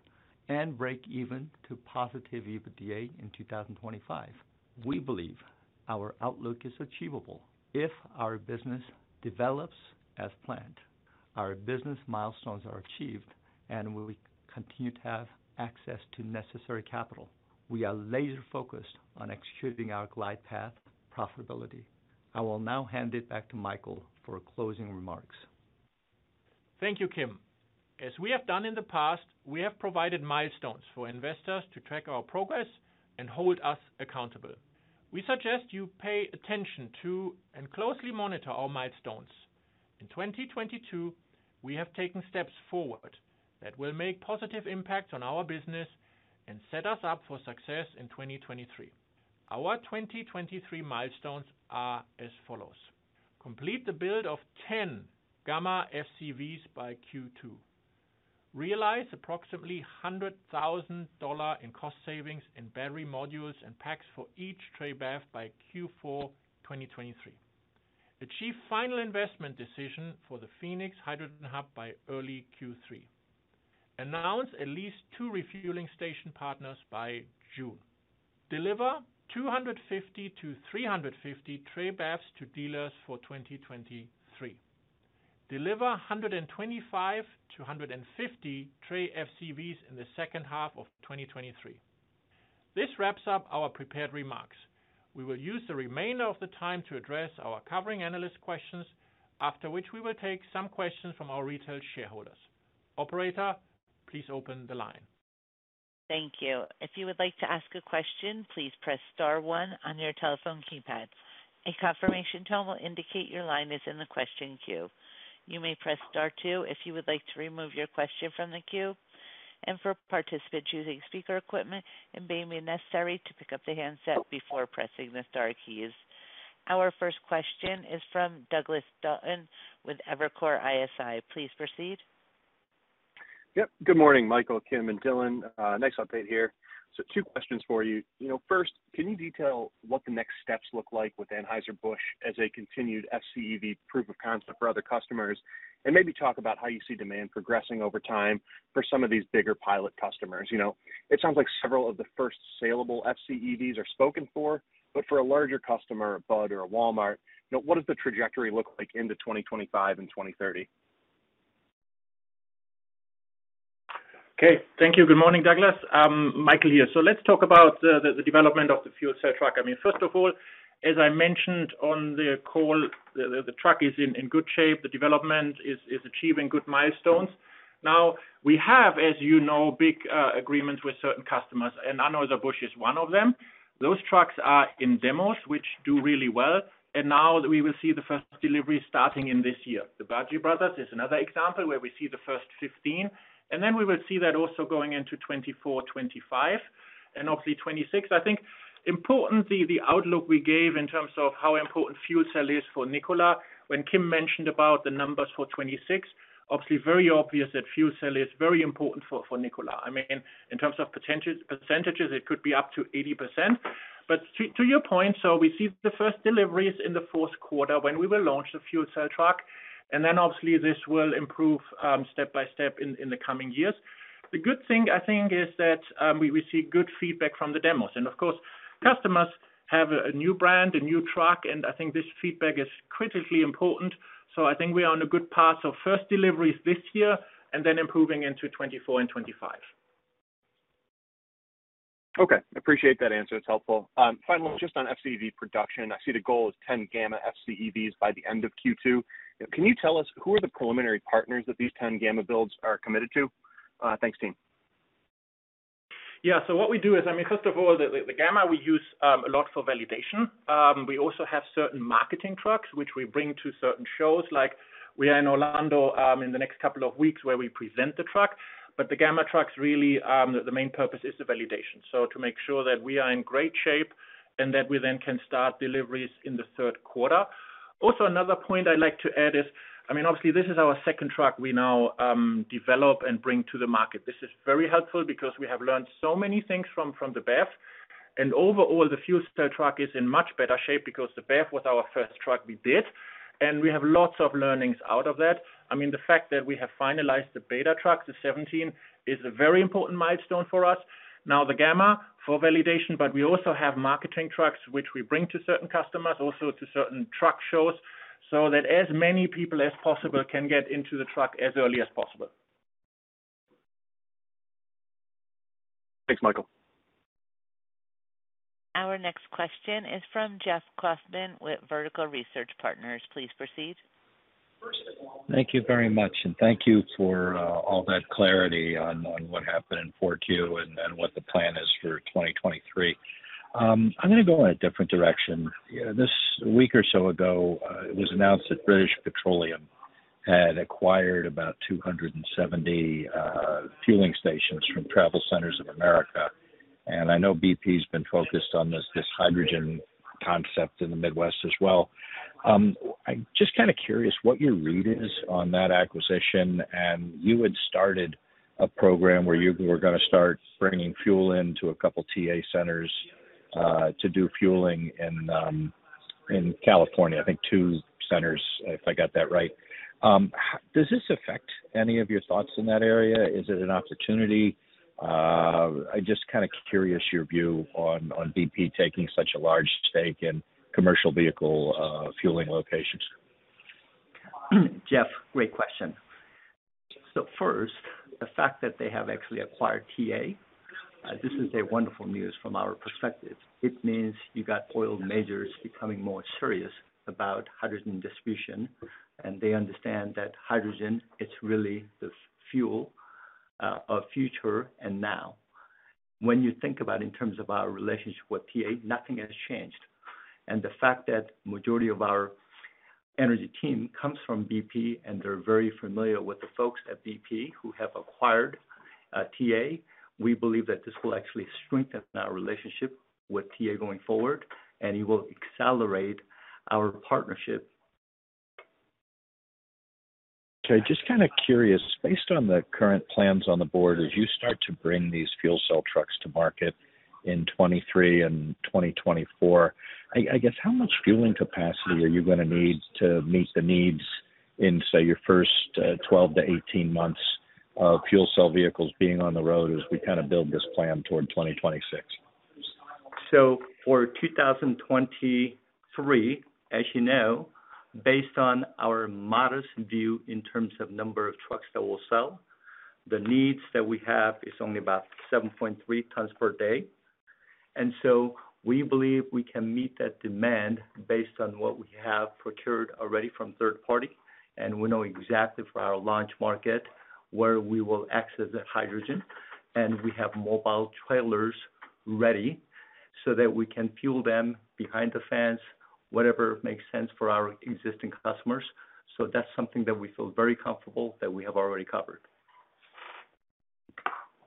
and break even to positive EBITDA in 2025. We believe our outlook is achievable if our business develops as planned, our business milestones are achieved, and we will continue to have access to necessary capital. We are laser-focused on executing our glide path profitability. I will now hand it back to Michael for closing remarks. Thank you, Kim. As we have done in the past, we have provided milestones for investors to track our progress and hold us accountable. We suggest you pay attention to and closely monitor our milestones. In 2022, we have taken steps forward that will make positive impact on our business and set us up for success in 2023. Our 2023 milestones are as follows: Complete the build of 10 Gamma FCVs by Q2. Realize approximately $100,000 in cost savings in battery modules and packs for each Tre BEV by Q4 2023. Achieve final investment decision for the Phoenix Hydrogen Hub by early Q3. Announce at least 2 refueling station partners by June. Deliver 250-350 Tre BEVs to dealers for 2023. Deliver 125 to 150 Tre FCVs in the second half of 2023. This wraps up our prepared remarks. We will use the remainder of the time to address our covering analyst questions, after which we will take some questions from our retail shareholders. Operator, please open the line. Thank you. If you would like to ask a question, please press star one on your telephone keypad. A confirmation tone will indicate your line is in the question queue. You may press star two if you would like to remove your question from the queue. For participants using speaker equipment, it may be necessary to pick up the handset before pressing the star keys. Our first question is from Douglas Dutton with Evercore ISI. Please proceed. Yep. Good morning, Michael, Kim, and Dhillon. Next update here. Two questions for you. You know, first, can you detail what the next steps look like with Anheuser-Busch as a continued FCEV proof of concept for other customers? Maybe talk about how you see demand progressing over time for some of these bigger pilot customers, you know? It sounds like several of the first salable FCEVs are spoken for, but for a larger customer, a Bud or a Walmart, you know, what does the trajectory look like into 2025 and 2030? Okay. Thank you. Good morning, Douglas. Michael here. Let's talk about the development of the fuel cell truck. I mean, first of all, as I mentioned on the call, the truck is in good shape. The development is achieving good milestones. Now we have, as you know, big agreements with certain customers, and Anheuser-Busch is one of them. Those trucks are in demos which do really well. Now we will see the first delivery starting in this year. The Biagi Brothers is another example where we see the first 15, and then we will see that also going into 2024, 2025 and obviously 2026. Importantly, the outlook we gave in terms of how important fuel cell is for Nikola. When Kim mentioned about the numbers for 2026, obviously very obvious that fuel cell is very important for Nikola. I mean, in terms of percentages, it could be up to 80%. To your point, we see the first deliveries in the fourth quarter when we will launch the fuel cell truck, and then obviously this will improve step by step in the coming years. The good thing, I think, is that we receive good feedback from the demos. Of course, customers have a new brand, a new truck, and I think this feedback is critically important. I think we are on a good path of first deliveries this year and then improving into 2024 and 2025. Okay. Appreciate that answer. It's helpful. Finally, just on FCEV production, I see the goal is 10 Gamma FCEVs by the end of Q2. Can you tell us who are the preliminary partners that these 10 Gamma builds are committed to? Thanks, team. Yeah. What we do is, I mean, first of all, the Gamma we use a lot for validation. We also have certain marketing trucks which we bring to certain shows, like we are in Orlando in the next couple of weeks where we present the truck. The Gamma trucks really, the main purpose is the validation. So to make sure that we are in great shape and that we then can start deliveries in the third quarter. Another point I'd like to add is, I mean, obviously this is our second truck we now develop and bring to the market. This is very helpful because we have learned so many things from the BEV. Overall, the fuel cell truck is in much better shape because the BEV was our first truck we did, and we have lots of learnings out of that. I mean, the fact that we have finalized the beta truck, the 17, is a very important milestone for us. Now the Gamma for validation, but we also have marketing trucks which we bring to certain customers, also to certain truck shows, so that as many people as possible can get into the truck as early as possible. Thanks, Michael. Our next question is from Jeff Kauffman with Vertical Research Partners. Please proceed. Thank you very much, and thank you for all that clarity on what happened in Q4 and then what the plan is for 2023. I'm gonna go in a different direction. This week or so ago, it was announced that British Petroleum had acquired about 270 day fueling stations from TravelCenters of America. I know BP's been focused on this hydrogen concept in the Midwest as well. I'm just kind of curious what your read is on that acquisition. You had started a program where you were gonna start bringing fuel into a couple TA centers to do fueling in California, I think two centers, if I got that right. Does this affect any of your thoughts in that area? Is it an opportunity? I'm just kind of curious your view on BP taking such a large stake in commercial vehicle fueling locations. Jeff, great question. First, the fact that they have actually acquired TA, this is wonderful news from our perspective. It means you got oil majors becoming more serious about hydrogen distribution, and they understand that hydrogen, it's really the fuel of future and now. When you think about in terms of our relationship with TA, nothing has changed. The fact that majority of our energy team comes from BP, and they're very familiar with the folks at BP who have acquired TA, we believe that this will actually strengthen our relationship with TA going forward, and it will accelerate our partnership. Just kind of curious, based on the current plans on the board, as you start to bring these fuel cell trucks to market in 2023 and in 2024, I guess how much fueling capacity are you gonna need to meet the needs in, say, your first 12 to 18 months of fuel cell vehicles being on the road as we kind of build this plan toward 2026? So for 2023, as you know, based on our modest view in terms of number of trucks that we'll sell, the needs that we have is only about 7.3 tons per day. And so we believe we can meet that demand based on what we have procured already from third party, and we know exactly for our launch market where we will access that hydrogen. We have mobile trailers ready so that we can fuel them behind the fence, whatever makes sense for our existing customers. That's something that we feel very comfortable that we have already covered.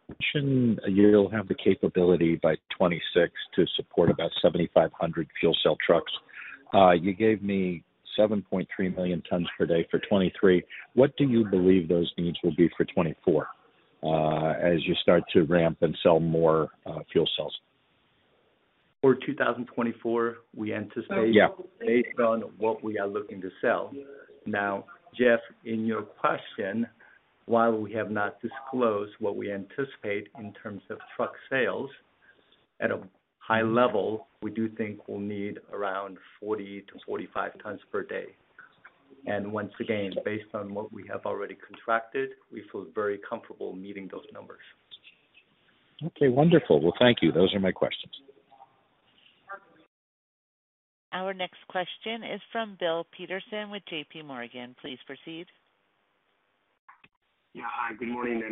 You mentioned you will have the capability by 2026 to support about 7,500 fuel cell trucks. You gave me 7.3 million tons per day for 2023. What do you believe those needs will be for 2024, as you start to ramp and sell more fuel cells? For 2024, we anticipate- Yeah... based on what we are looking to sell. Jeff, in your question, while we have not disclosed what we anticipate in terms of truck sales, at a high level, we do think we will need around 40-45 tons per day. Once again, based on what we have already contracted, we feel very comfortable meeting those numbers. Okay, wonderful. Well, thank you. Those are my questions. Our next question is from Bill Peterson with J.P. Morgan. Please proceed. Yeah. Hi, good morning,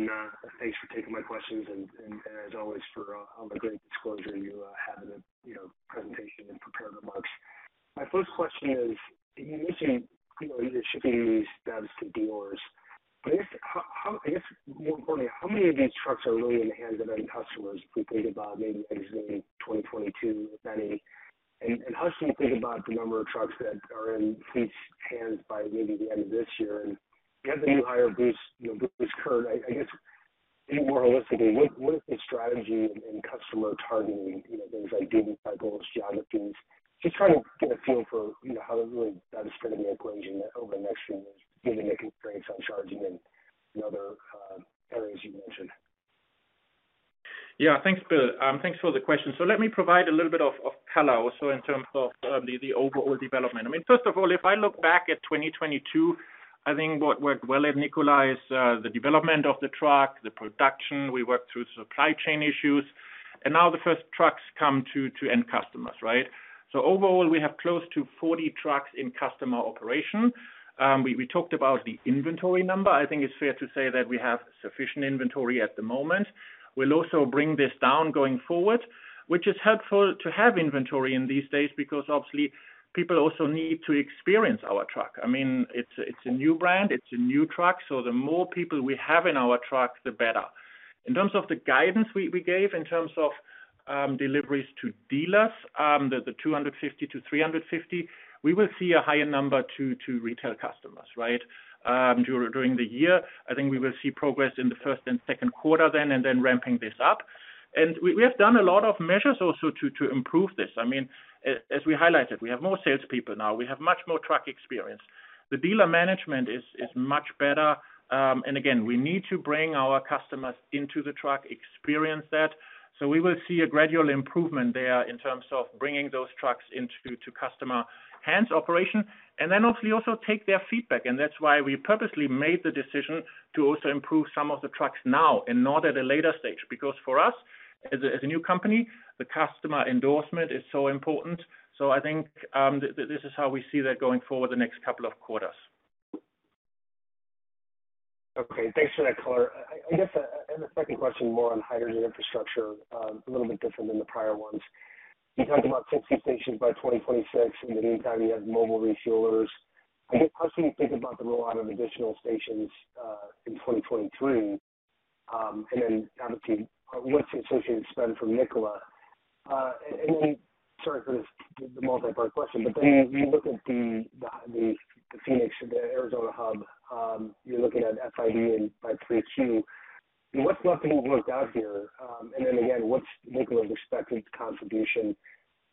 thanks for taking my questions and, as always for all the great disclosure you have in the, you know, presentation and prepared remarks. My first question is, you mentioned, you know, you are shipping these BEVs to dealers. I guess, I guess more importantly, how many of these trucks are really in the hands of end customers if we think about maybe exiting 2022, if any? How should we think about the number of trucks that are in fleet's hands by maybe the end of this year? You have the new hire, Bruce, you know, Bruce Kurtt. I guess maybe more holistically, what is the strategy in customer targeting, you know, things like duty cycles, geographies? Just trying to get a feel for, you know, how really that is fitting the equation over the next few years, given the constraints on charging and other areas you mentioned. Thanks, Bill. Thanks for the question. Let me provide a little bit of color also in terms of the overall development. First of all, if I look back at 2022, I think what worked well at Nikola is the development of the truck, the production. We worked through supply chain issues. Now the first trucks come to end customers, right? So overall we have close to 40 trucks in customer operation. We talked about the inventory number. I think it's fair to say that we have sufficient inventory at the moment. We'll also bring this down going forward, which is helpful to have inventory in these days because obviously people also need to experience our truck. I mean, it's a new brand, it's a new truck, so the more people we have in our truck, the better. In terms of the guidance we gave in terms of deliveries to dealers, the 250-350, we will see a higher number to retail customers, right? During the year, I think we will see progress in the first and second quarter then, and then ramping this up. We have done a lot of measures also to improve this. I mean, as we highlighted, we have more salespeople now. We have much more truck experience. The dealer management is much better. Again, we need to bring our customers into the truck, experience that. We will see a gradual improvement there in terms of bringing those trucks into customer hands operation. Then obviously also take their feedback, and that is why we purposely made the decision to also improve some of the trucks now and not at a later stage. For us, as a, as a new company, the customer endorsement is so important. I think, this is how we see that going forward the next couple of quarters. Okay. Thanks for that color. I guess, the second question more on hydrogen infrastructure, a little bit different than the prior ones. You talked about 50 stations by 2026. In the meantime, you have mobile refuelers. I guess, when you think about the rollout of additional stations, in 2023, obviously what's the associated spend from Nikola. sorry for this multi-part question, when you look at the Phoenix, the Arizona hub, you are looking at FID in by 3Q. What's left to be worked out here? again, what's Nikola's expected contribution?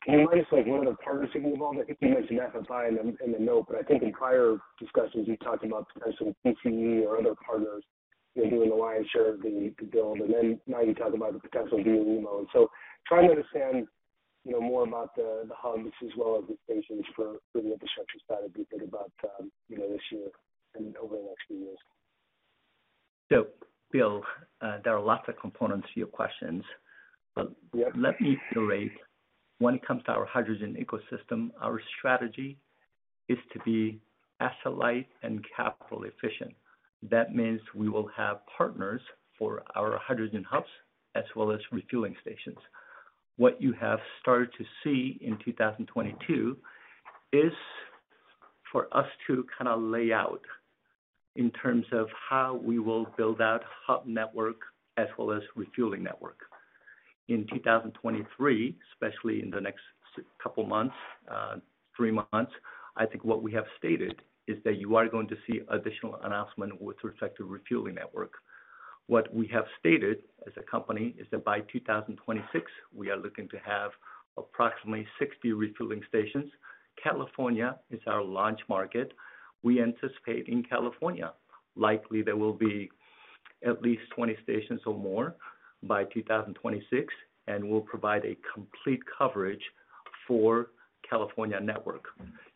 Can you remind us, like, what are the partners involved? I think you mentioned FFI in the, in the note, but I think in prior discussions you talked about potential PCE or other partners, you know, doing the lion's share of the build. Now you are talking about the potential DOE loan. Trying to understand, you know, more about the hubs as well as the stations for the infrastructure side as we think about, you know, this year and over the next few years. Bill, there are lots of components to your questions. Let me iterate when it comes to our hydrogen ecosystem, our strategy is to be asset-light and capital efficient. That means we will have partners for our hydrogen hubs as well as refueling stations. What you have started to see in 2022 is for us to kind of lay out in terms of how we will build out hub network as well as refueling network. In 2023, especially in the next couple months, three months, I think what we have stated is that you are going to see additional announcement with respect to refueling network. What we have stated as a company is that by 2026, we are looking to have approximately 60 refueling stations. California is our launch market. We anticipate in California, likely there will be at least 20 stations or more by 2026, and we'll provide a complete coverage for California network.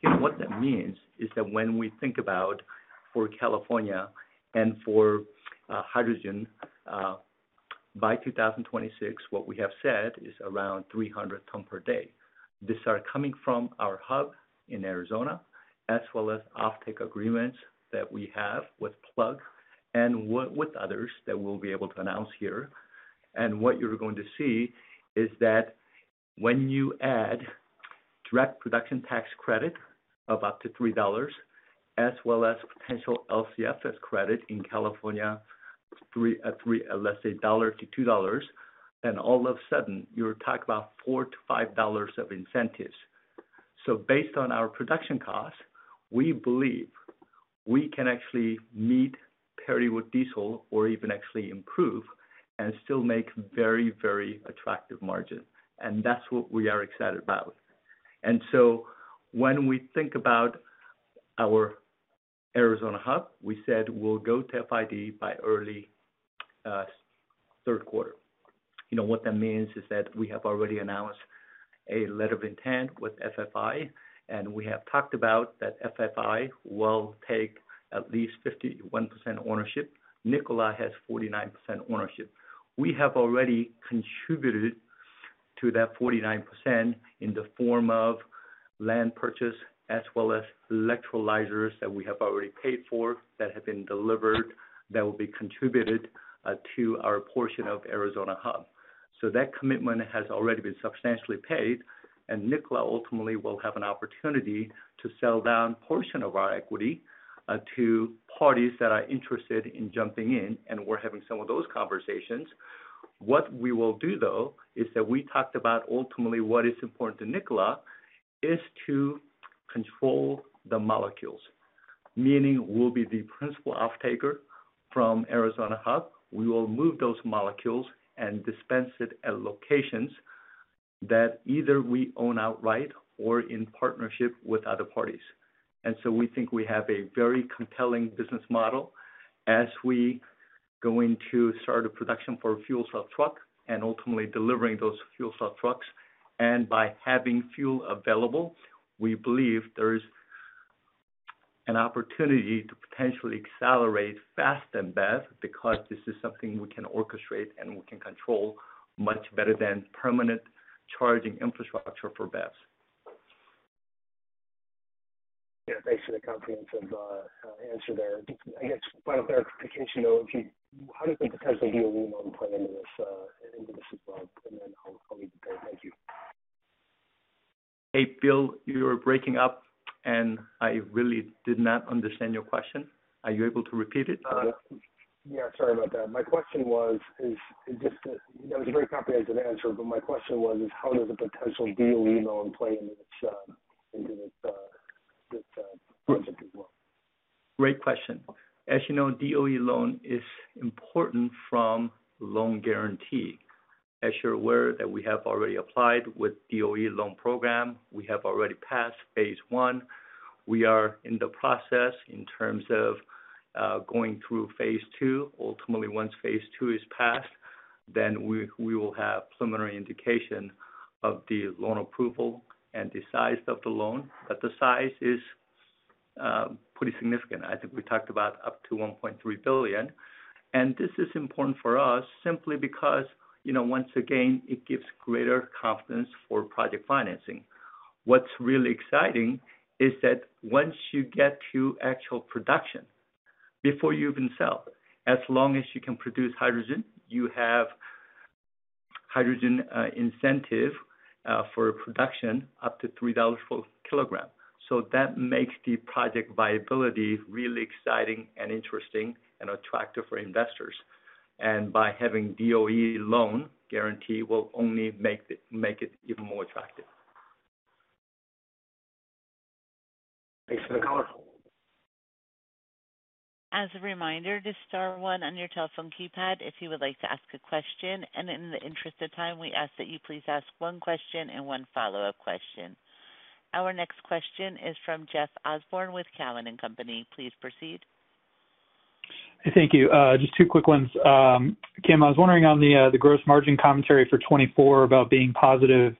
You know, what that means is that when we think about for California and for hydrogen by 2026, what we have said is around 300 ton per day. These are coming from our hub in Arizona, as well as offtake agreements that we have with Plug and with others that we will be able to announce here. What you're going to see is that when you add direct production tax credit of up to $3 as well as potential LCFS credit in California, let's say $1 to $2, and all of a sudden you're talking about $4-$5 of incentives. Based on our production cost, we believe we can actually meet parity with diesel or even actually improve and still make very, very attractive margin. That's what we are excited about. When we think about our Arizona hub, we said we'll go to FID by early, third quarter. You know what that means is that we have already announced a letter of intent with FFI, and we have talked about that FFI will take at least 51% ownership. Nikola has 49% ownership. We have already contributed to that 49% in the form of land purchase as well as electrolyzers that we have already paid for that have been delivered that will be contributed to our portion of Arizona hub. That commitment has already been substantially paid. Nikola ultimately will have an opportunity to sell down portion of our equity to parties that are interested in jumping in, and we're having some of those conversations. What we will do though is that we talked about ultimately what is important to Nikola is to control the molecules. Meaning we'll be the principal offtaker from Arizona hub. We will move those molecules and dispense it at locations that either we own outright or in partnership with other parties. We think we have a very compelling business model as we go into start of production for fuel cell truck and ultimately delivering those fuel cell trucks. By having fuel available, we believe there is an opportunity to potentially accelerate fast and BEV because this is something we can orchestrate and we can control much better than permanent charging infrastructure for BEVs. Yeah, thanks for the comprehensive, answer there. I guess final clarification, though, how does the potential DOE loan play into this as well? I'll leave it there. Thank you. Hey, Bill, you are breaking up, and I really did not understand your question. Are you able to repeat it? Yeah, sorry about that. That was a very comprehensive answer, but my question was, is how does the potential DOE loan play into this project as well? Great question. As you know, DOE loan is important from loan guarantee. As you are aware that we have already applied with DOE loan program. We have already passed phase one. We are in the process in terms of going through phase two. Ultimately, once phase two is passed, then we will have preliminary indication of the loan approval and the size of the loan, but the size is pretty significant. I think we talked about up to $1.3 billion. This is important for us simply because, you know, once again, it gives greater confidence for project financing. What's really exciting is that once you get to actual production, before you even sell, as long as you can produce hydrogen, you have hydrogen incentive for production up to $3 per kilogram. That makes the project viability really exciting and interesting and attractive for investors. And by having DOE loan guarantee, will only make it even more attractive. Thanks for the color. As a reminder to star 1 on your telephone keypad if you would like to ask a question. In the interest of time, we ask that you please ask 1 question and 1 follow-up question. Our next question is from Jeff Osborne with Cowen and Company. Please proceed. Thank you. Just two quick ones. Kim, I was wondering on the gross margin commentary for 2024 about being positive.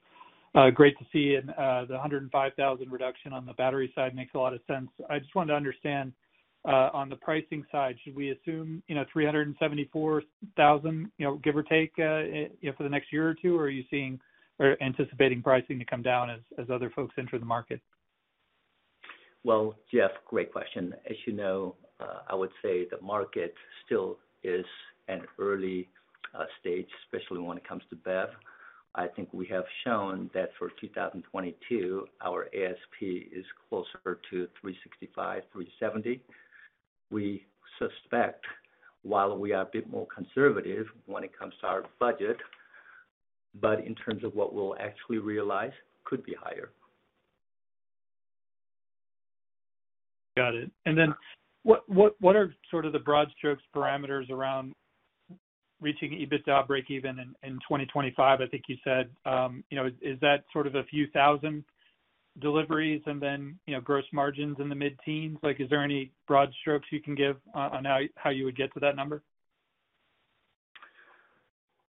Great to see. The 105,000 reduction on the battery side makes a lot of sense. I just wanted to understand on the pricing side, should we assume, you know, $374,000, you know, give or take, you know, for the next year or two? Are you seeing or anticipating pricing to come down as other folks enter the market? Well, Jeff, great question. As you know, I would say the market still is an early stage, especially when it comes to BEV. I think we have shown that for 2022, our ASP is closer to $365, $370. We suspect, while we are a bit more conservative when it comes to our budget, but in terms of what we'll actually realize could be higher. Got it. And then what are sort of the broad strokes parameters around reaching EBITDA breakeven in 2025? I think you said, you know, is that sort of a few thousand deliveries and then, you know, gross margins in the mid-teens? Like, is there any broad strokes you can give on how you would get to that number?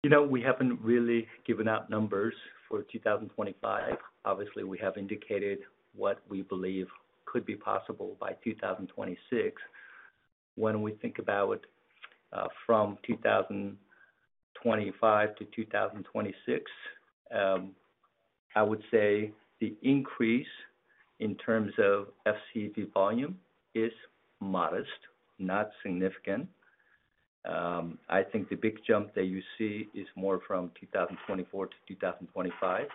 You know, we haven't really given out numbers for 2025. Obviously, we have indicated what we believe could be possible by 2026. When we think about, from 2025 to 2026, I would say the increase in terms of FCEV volume is modest, not significant. I think the big jump that you see is more from 2024 to 2025.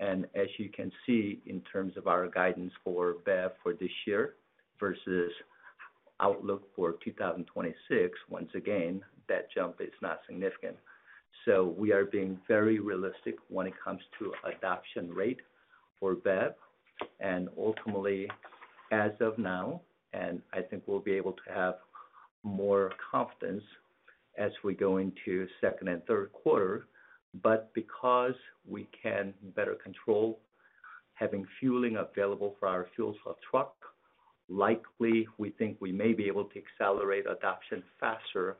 As you can see in terms of our guidance for BEV for this year versus outlook for 2026, once again, that jump is not significant. We are being very realistic when it comes to adoption rate for BEV. Ultimately, as of now, and I think we'll be able to have more confidence as we go into second and third quarter, because we can better control having fueling available for our fuel cell truck, likely we think we may be able to accelerate adoption faster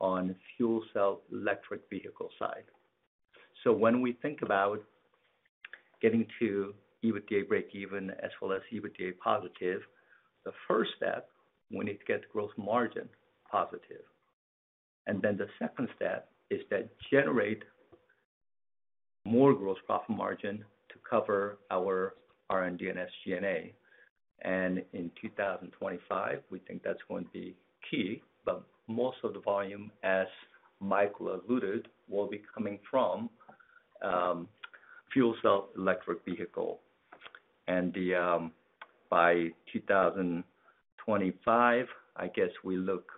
on fuel cell electric vehicle side. When we think about getting to EBITDA breakeven as well as EBITDA positive, the first step, we need to get gross margin positive. And the second step is to generate more gross profit margin to cover our R&D and SG&A. In 2025, we think that's going to be key. Most of the volume, as Michael alluded, will be coming from fuel cell electric vehicle. The by 2025, I guess we look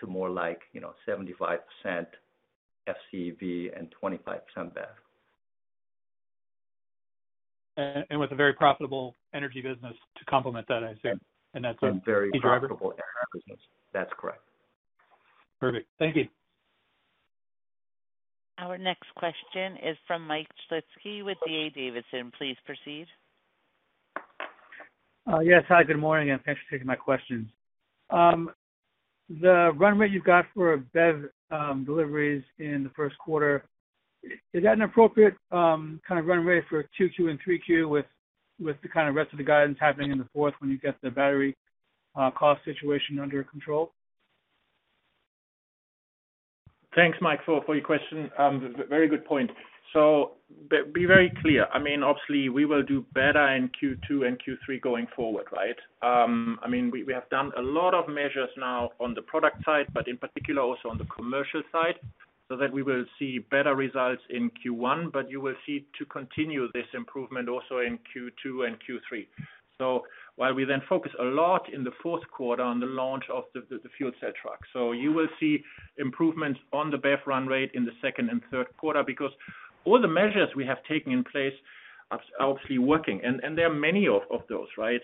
to more like, you know, 75% FCEV and 25% BEV. With a very profitable energy business to complement that, I assume. Yeah. That's a key driver. A very profitable energy business. That's correct. Perfect. Thank you. Our next question is from Mike Shlisky with D.A. Davidson. Please proceed. Yes, hi, good morning. Thanks for taking my questions. The run rate you've got for BEV deliveries in the first quarter, is that an appropriate kind of run rate for 2Q and 3Q with the kind of rest of the guidance happening in the fourth when you get the battery cost situation under control? Thanks, Mike, for your question. Very good point. So be very clear. I mean, obviously, we will do better in Q2 and Q3 going forward, right? I mean, we have done a lot of measures now on the product side, but in particular also on the commercial side, so that we will see better results in Q1, but you will see to continue this improvement also in Q2 and Q3. While we then focus a lot in the fourth quarter on the launch of the fuel cell truck. You will see improvements on the BEV run rate in the second and third quarter because all the measures we have taken in place are obviously working, and there are many of those, right?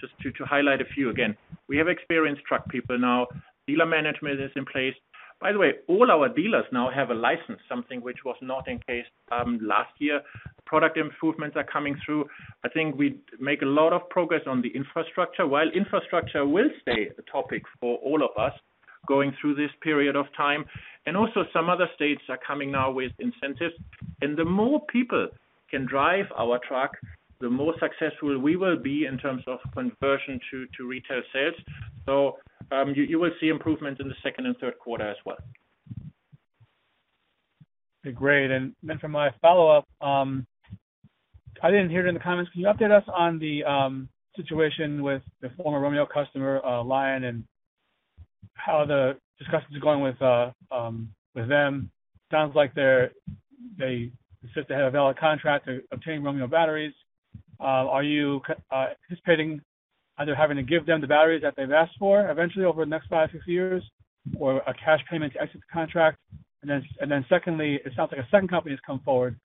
Just to highlight a few again, we have experienced truck people now. Dealer management is in place. By the way, all our dealers now have a license, something which was not in case last year. Product improvements are coming through. I think we make a lot of progress on the infrastructure, while infrastructure will stay a topic for all of us going through this period of time. Also some other states are coming now with incentives. And the more people can drive our truck, the more successful we will be in terms of conversion to retail sales. You will see improvements in the second and third quarter as well. Great. For my follow-up. I didn't hear it in the comments. Can you update us on the situation with the former Romeo customer, Lion, and how the discussions are going with them? Sounds like they assist to have a valid contract to obtain Romeo batteries. Are you anticipating either having to give them the batteries that they have asked for eventually over the next five, six years, or a cash payment to exit the contract? Secondly, it sounds like a second company has come forward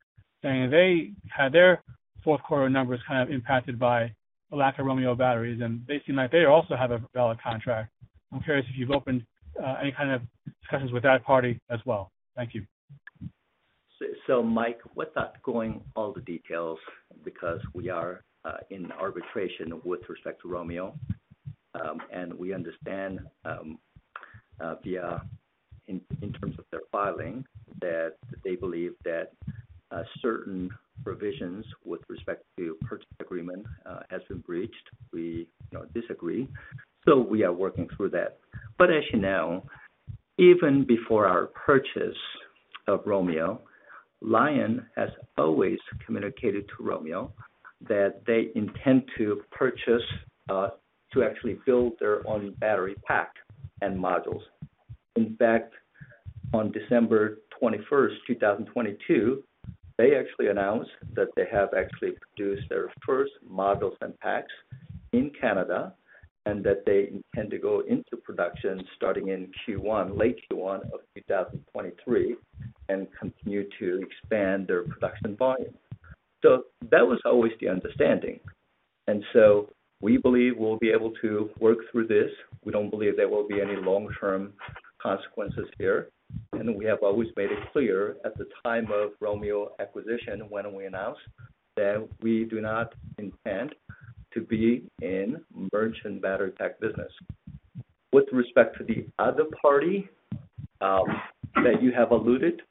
saying they had their fourth quarter numbers kind of impacted by a lack of Romeo batteries, and they seem like they also have a valid contract. I'm curious if you have opened any kind of discussions with that party as well. Thank you. Mike, without going all the details, because we are in arbitration with respect to Romeo, and we understand via in terms of their filing, that they believe that certain provisions with respect to purchase agreement has been breached. We, you know, disagree, we are working through that. As you know, even before our purchase of Romeo, Lion has always communicated to Romeo that they intend to purchase to actually build their own battery pack and modules. In fact, on December 21, 2022, they actually announced that they have actually produced their first modules and packs in Canada, and that they intend to go into production starting in Q1, late Q1 of 2023, and continue to expand their production volume. That was always the understanding. And so we believe we'll be able to work through this. We don't believe there will be any long-term consequences here. We have always made it clear at the time of Romeo acquisition when we announced that we do not intend to be in merchant battery pack business. With respect to the other party that you have alluded,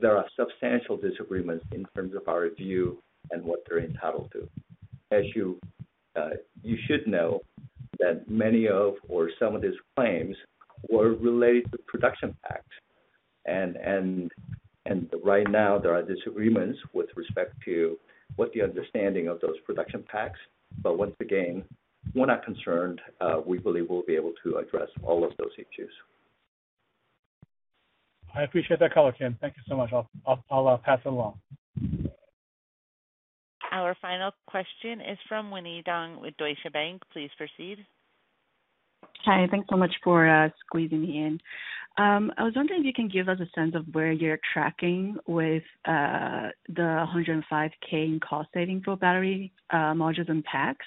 there are substantial disagreements in terms of our view and what they're entitled to. As you should know that many of or some of these claims were related to production packs. Right now there are disagreements with respect to what the understanding of those production packs. Once again, we are not concerned. We believe we'll be able to address all of those issues. I appreciate that color, Kim. Thank you so much. I'll pass it along. Our final question is from Winnie Dong with Deutsche Bank. Please proceed. Hi. Thanks so much for squeezing me in. I was wondering if you can give us a sense of where you're tracking with the $105K in cost saving for battery modules and packs.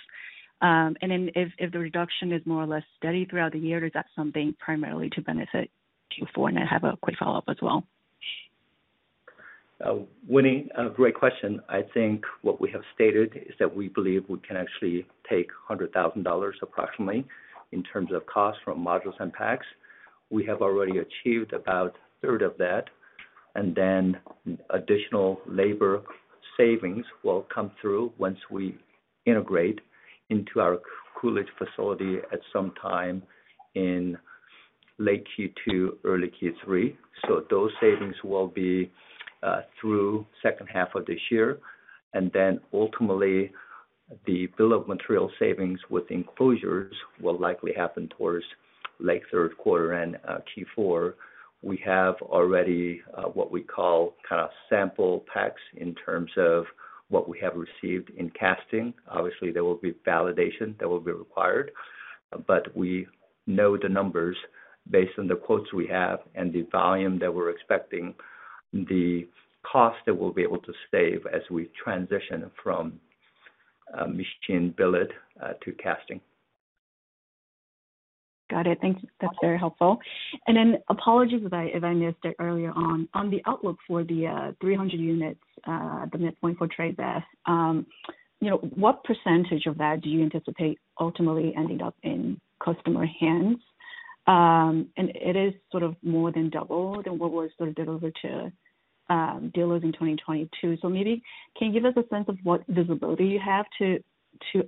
And if the reduction is more or less steady throughout the year, is that something primarily to benefit Q4? I have a quick follow-up as well. Winnie, great question. I think what we have stated is that we believe we can actually take $100,000 approximately in terms of cost from modules and packs. We have already achieved about a third of that, and then additional labor savings will come through once we integrate into our Coolidge facility at some time in late Q2, early Q3. Those savings will be through second half of this year. Ultimately, the bill of material savings with enclosures will likely happen towards late third quarter and Q4. We have already what we call kind of sample packs in terms of what we have received in casting. Obviously, there will be validation that will be required, but we know the numbers based on the quotes we have and the volume that we are expecting, the cost that we'll be able to save as we transition from machined billet to casting. Got it. Thank you. That is very helpful. Apologies if I missed it earlier on. On the outlook for the 300 units, the midpoint for Tre there, you know, what percentage of that do you anticipate ultimately ending up in customer hands? It is sort of more than double than what was sort of delivered to dealers in 2022. Maybe can you give us a sense of what visibility you have to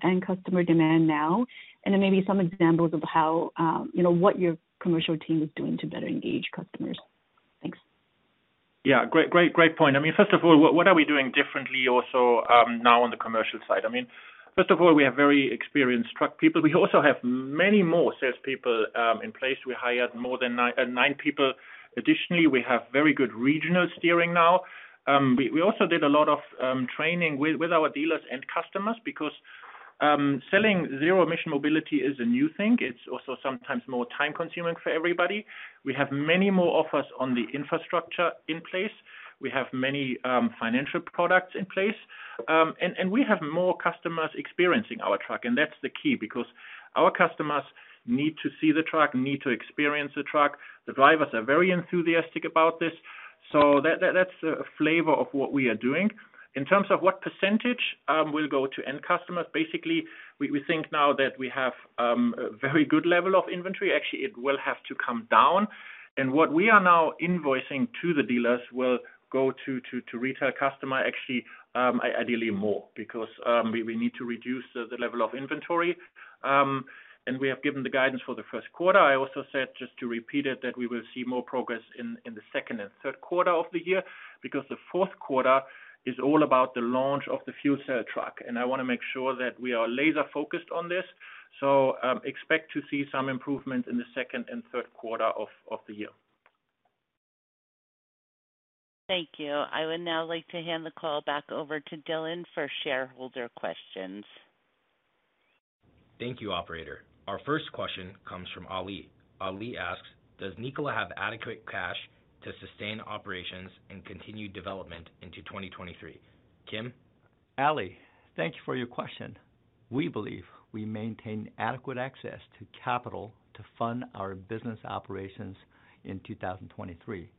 end customer demand now? Maybe some examples of how, you know, what your commercial team is doing to better engage customers. Thanks. Great, great point. I mean, first of all, what are we doing differently also, now on the commercial side? I mean, first of all, we have very experienced truck people. We also have many more salespeople in place. We hired more than 9 people. Additionally, we have very good regional steering now. We also did a lot of training with our dealers and customers because selling zero-emission mobility is a new thing. It's also sometimes more time-consuming for everybody. We have many more offers on the infrastructure in place. We have many financial products in place. We have more customers experiencing our truck, and that's the key because our customers need to see the truck, need to experience the truck. The drivers are very enthusiastic about this. That's a flavor of what we are doing. In terms of what percentage will go to end customers, basically, we think now that we have a very good level of inventory, actually it will have to come down. What we are now invoicing to the dealers will go to retail customer actually, ideally more because we need to reduce the level of inventory. We have given the guidance for the first quarter. I also said, just to repeat it, that we will see more progress in the second and third quarter of the year because the fourth quarter is all about the launch of the fuel cell truck, and I wanna make sure that we are laser-focused on this. Expect to see some improvement in the second and third quarter of the year. Thank you. I would now like to hand the call back over to Dhillon for shareholder questions. Thank you, operator. Our first question comes from Ali. Ali asks, "Does Nikola have adequate cash to sustain operations and continue development into 2023?" Kim? Ali, thank you for your question. We believe we maintain adequate access to capital to fund our business operations in 2023.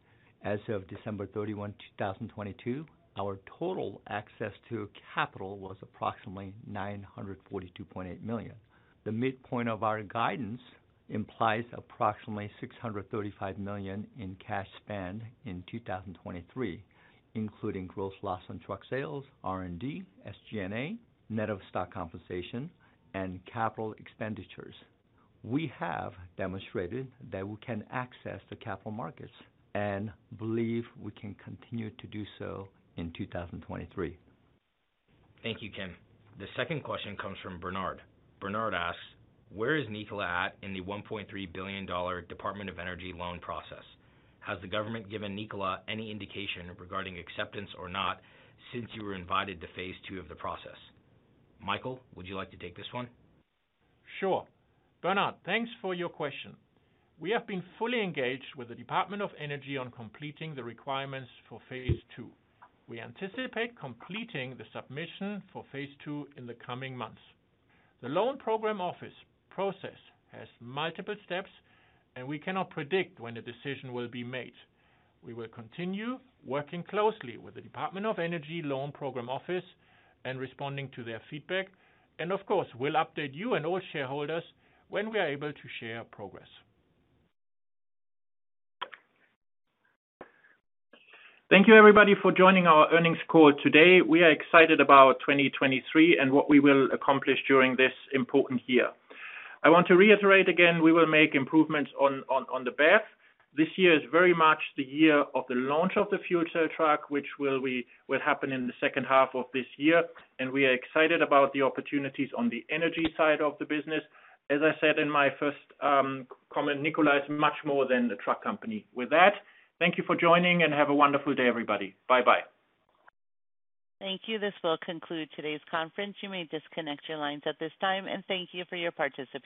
As of December 31, 2022, our total access to capital was approximately $942.8 million. The midpoint of our guidance implies approximately $635 million in cash spend in 2023, including gross loss on truck sales, R&D, SG&A, net of stock compensation, and capital expenditures. We have demonstrated that we can access the capital markets and believe we can continue to do so in 2023. Thank you, Kim. The second question comes from Bernard. Bernard asks, "Where is Nikola at in the $1.3 billion Department of Energy loan process? Has the government given Nikola any indication regarding acceptance or not since you were invited to phase 2 of the process?" Michael, would you like to take this one? Sure. Bernard, thanks for your question. We have been fully engaged with the Department of Energy on completing the requirements for phase two. We anticipate completing the submission for phase two in the coming months. The loan program office process has multiple steps, and we cannot predict when a decision will be made. We will continue working closely with the Department of Energy Loan Programs Office and responding to their feedback. Of course, we'll update you and all shareholders when we are able to share progress. Thank you everybody for joining our earnings call today. We are excited about 2023 and what we will accomplish during this important year. I want to reiterate again, we will make improvements on the BEV. This year is very much the year of the launch of the fuel cell truck, which will happen in the second half of this year, and we are excited about the opportunities on the energy side of the business. As I said in my first comment, Nikola is much more than the truck company. With that, thank you for joining, and have a wonderful day, everybody. Bye-bye. Thank you. This will conclude today's conference. You may disconnect your lines at this time, and thank you for your participation.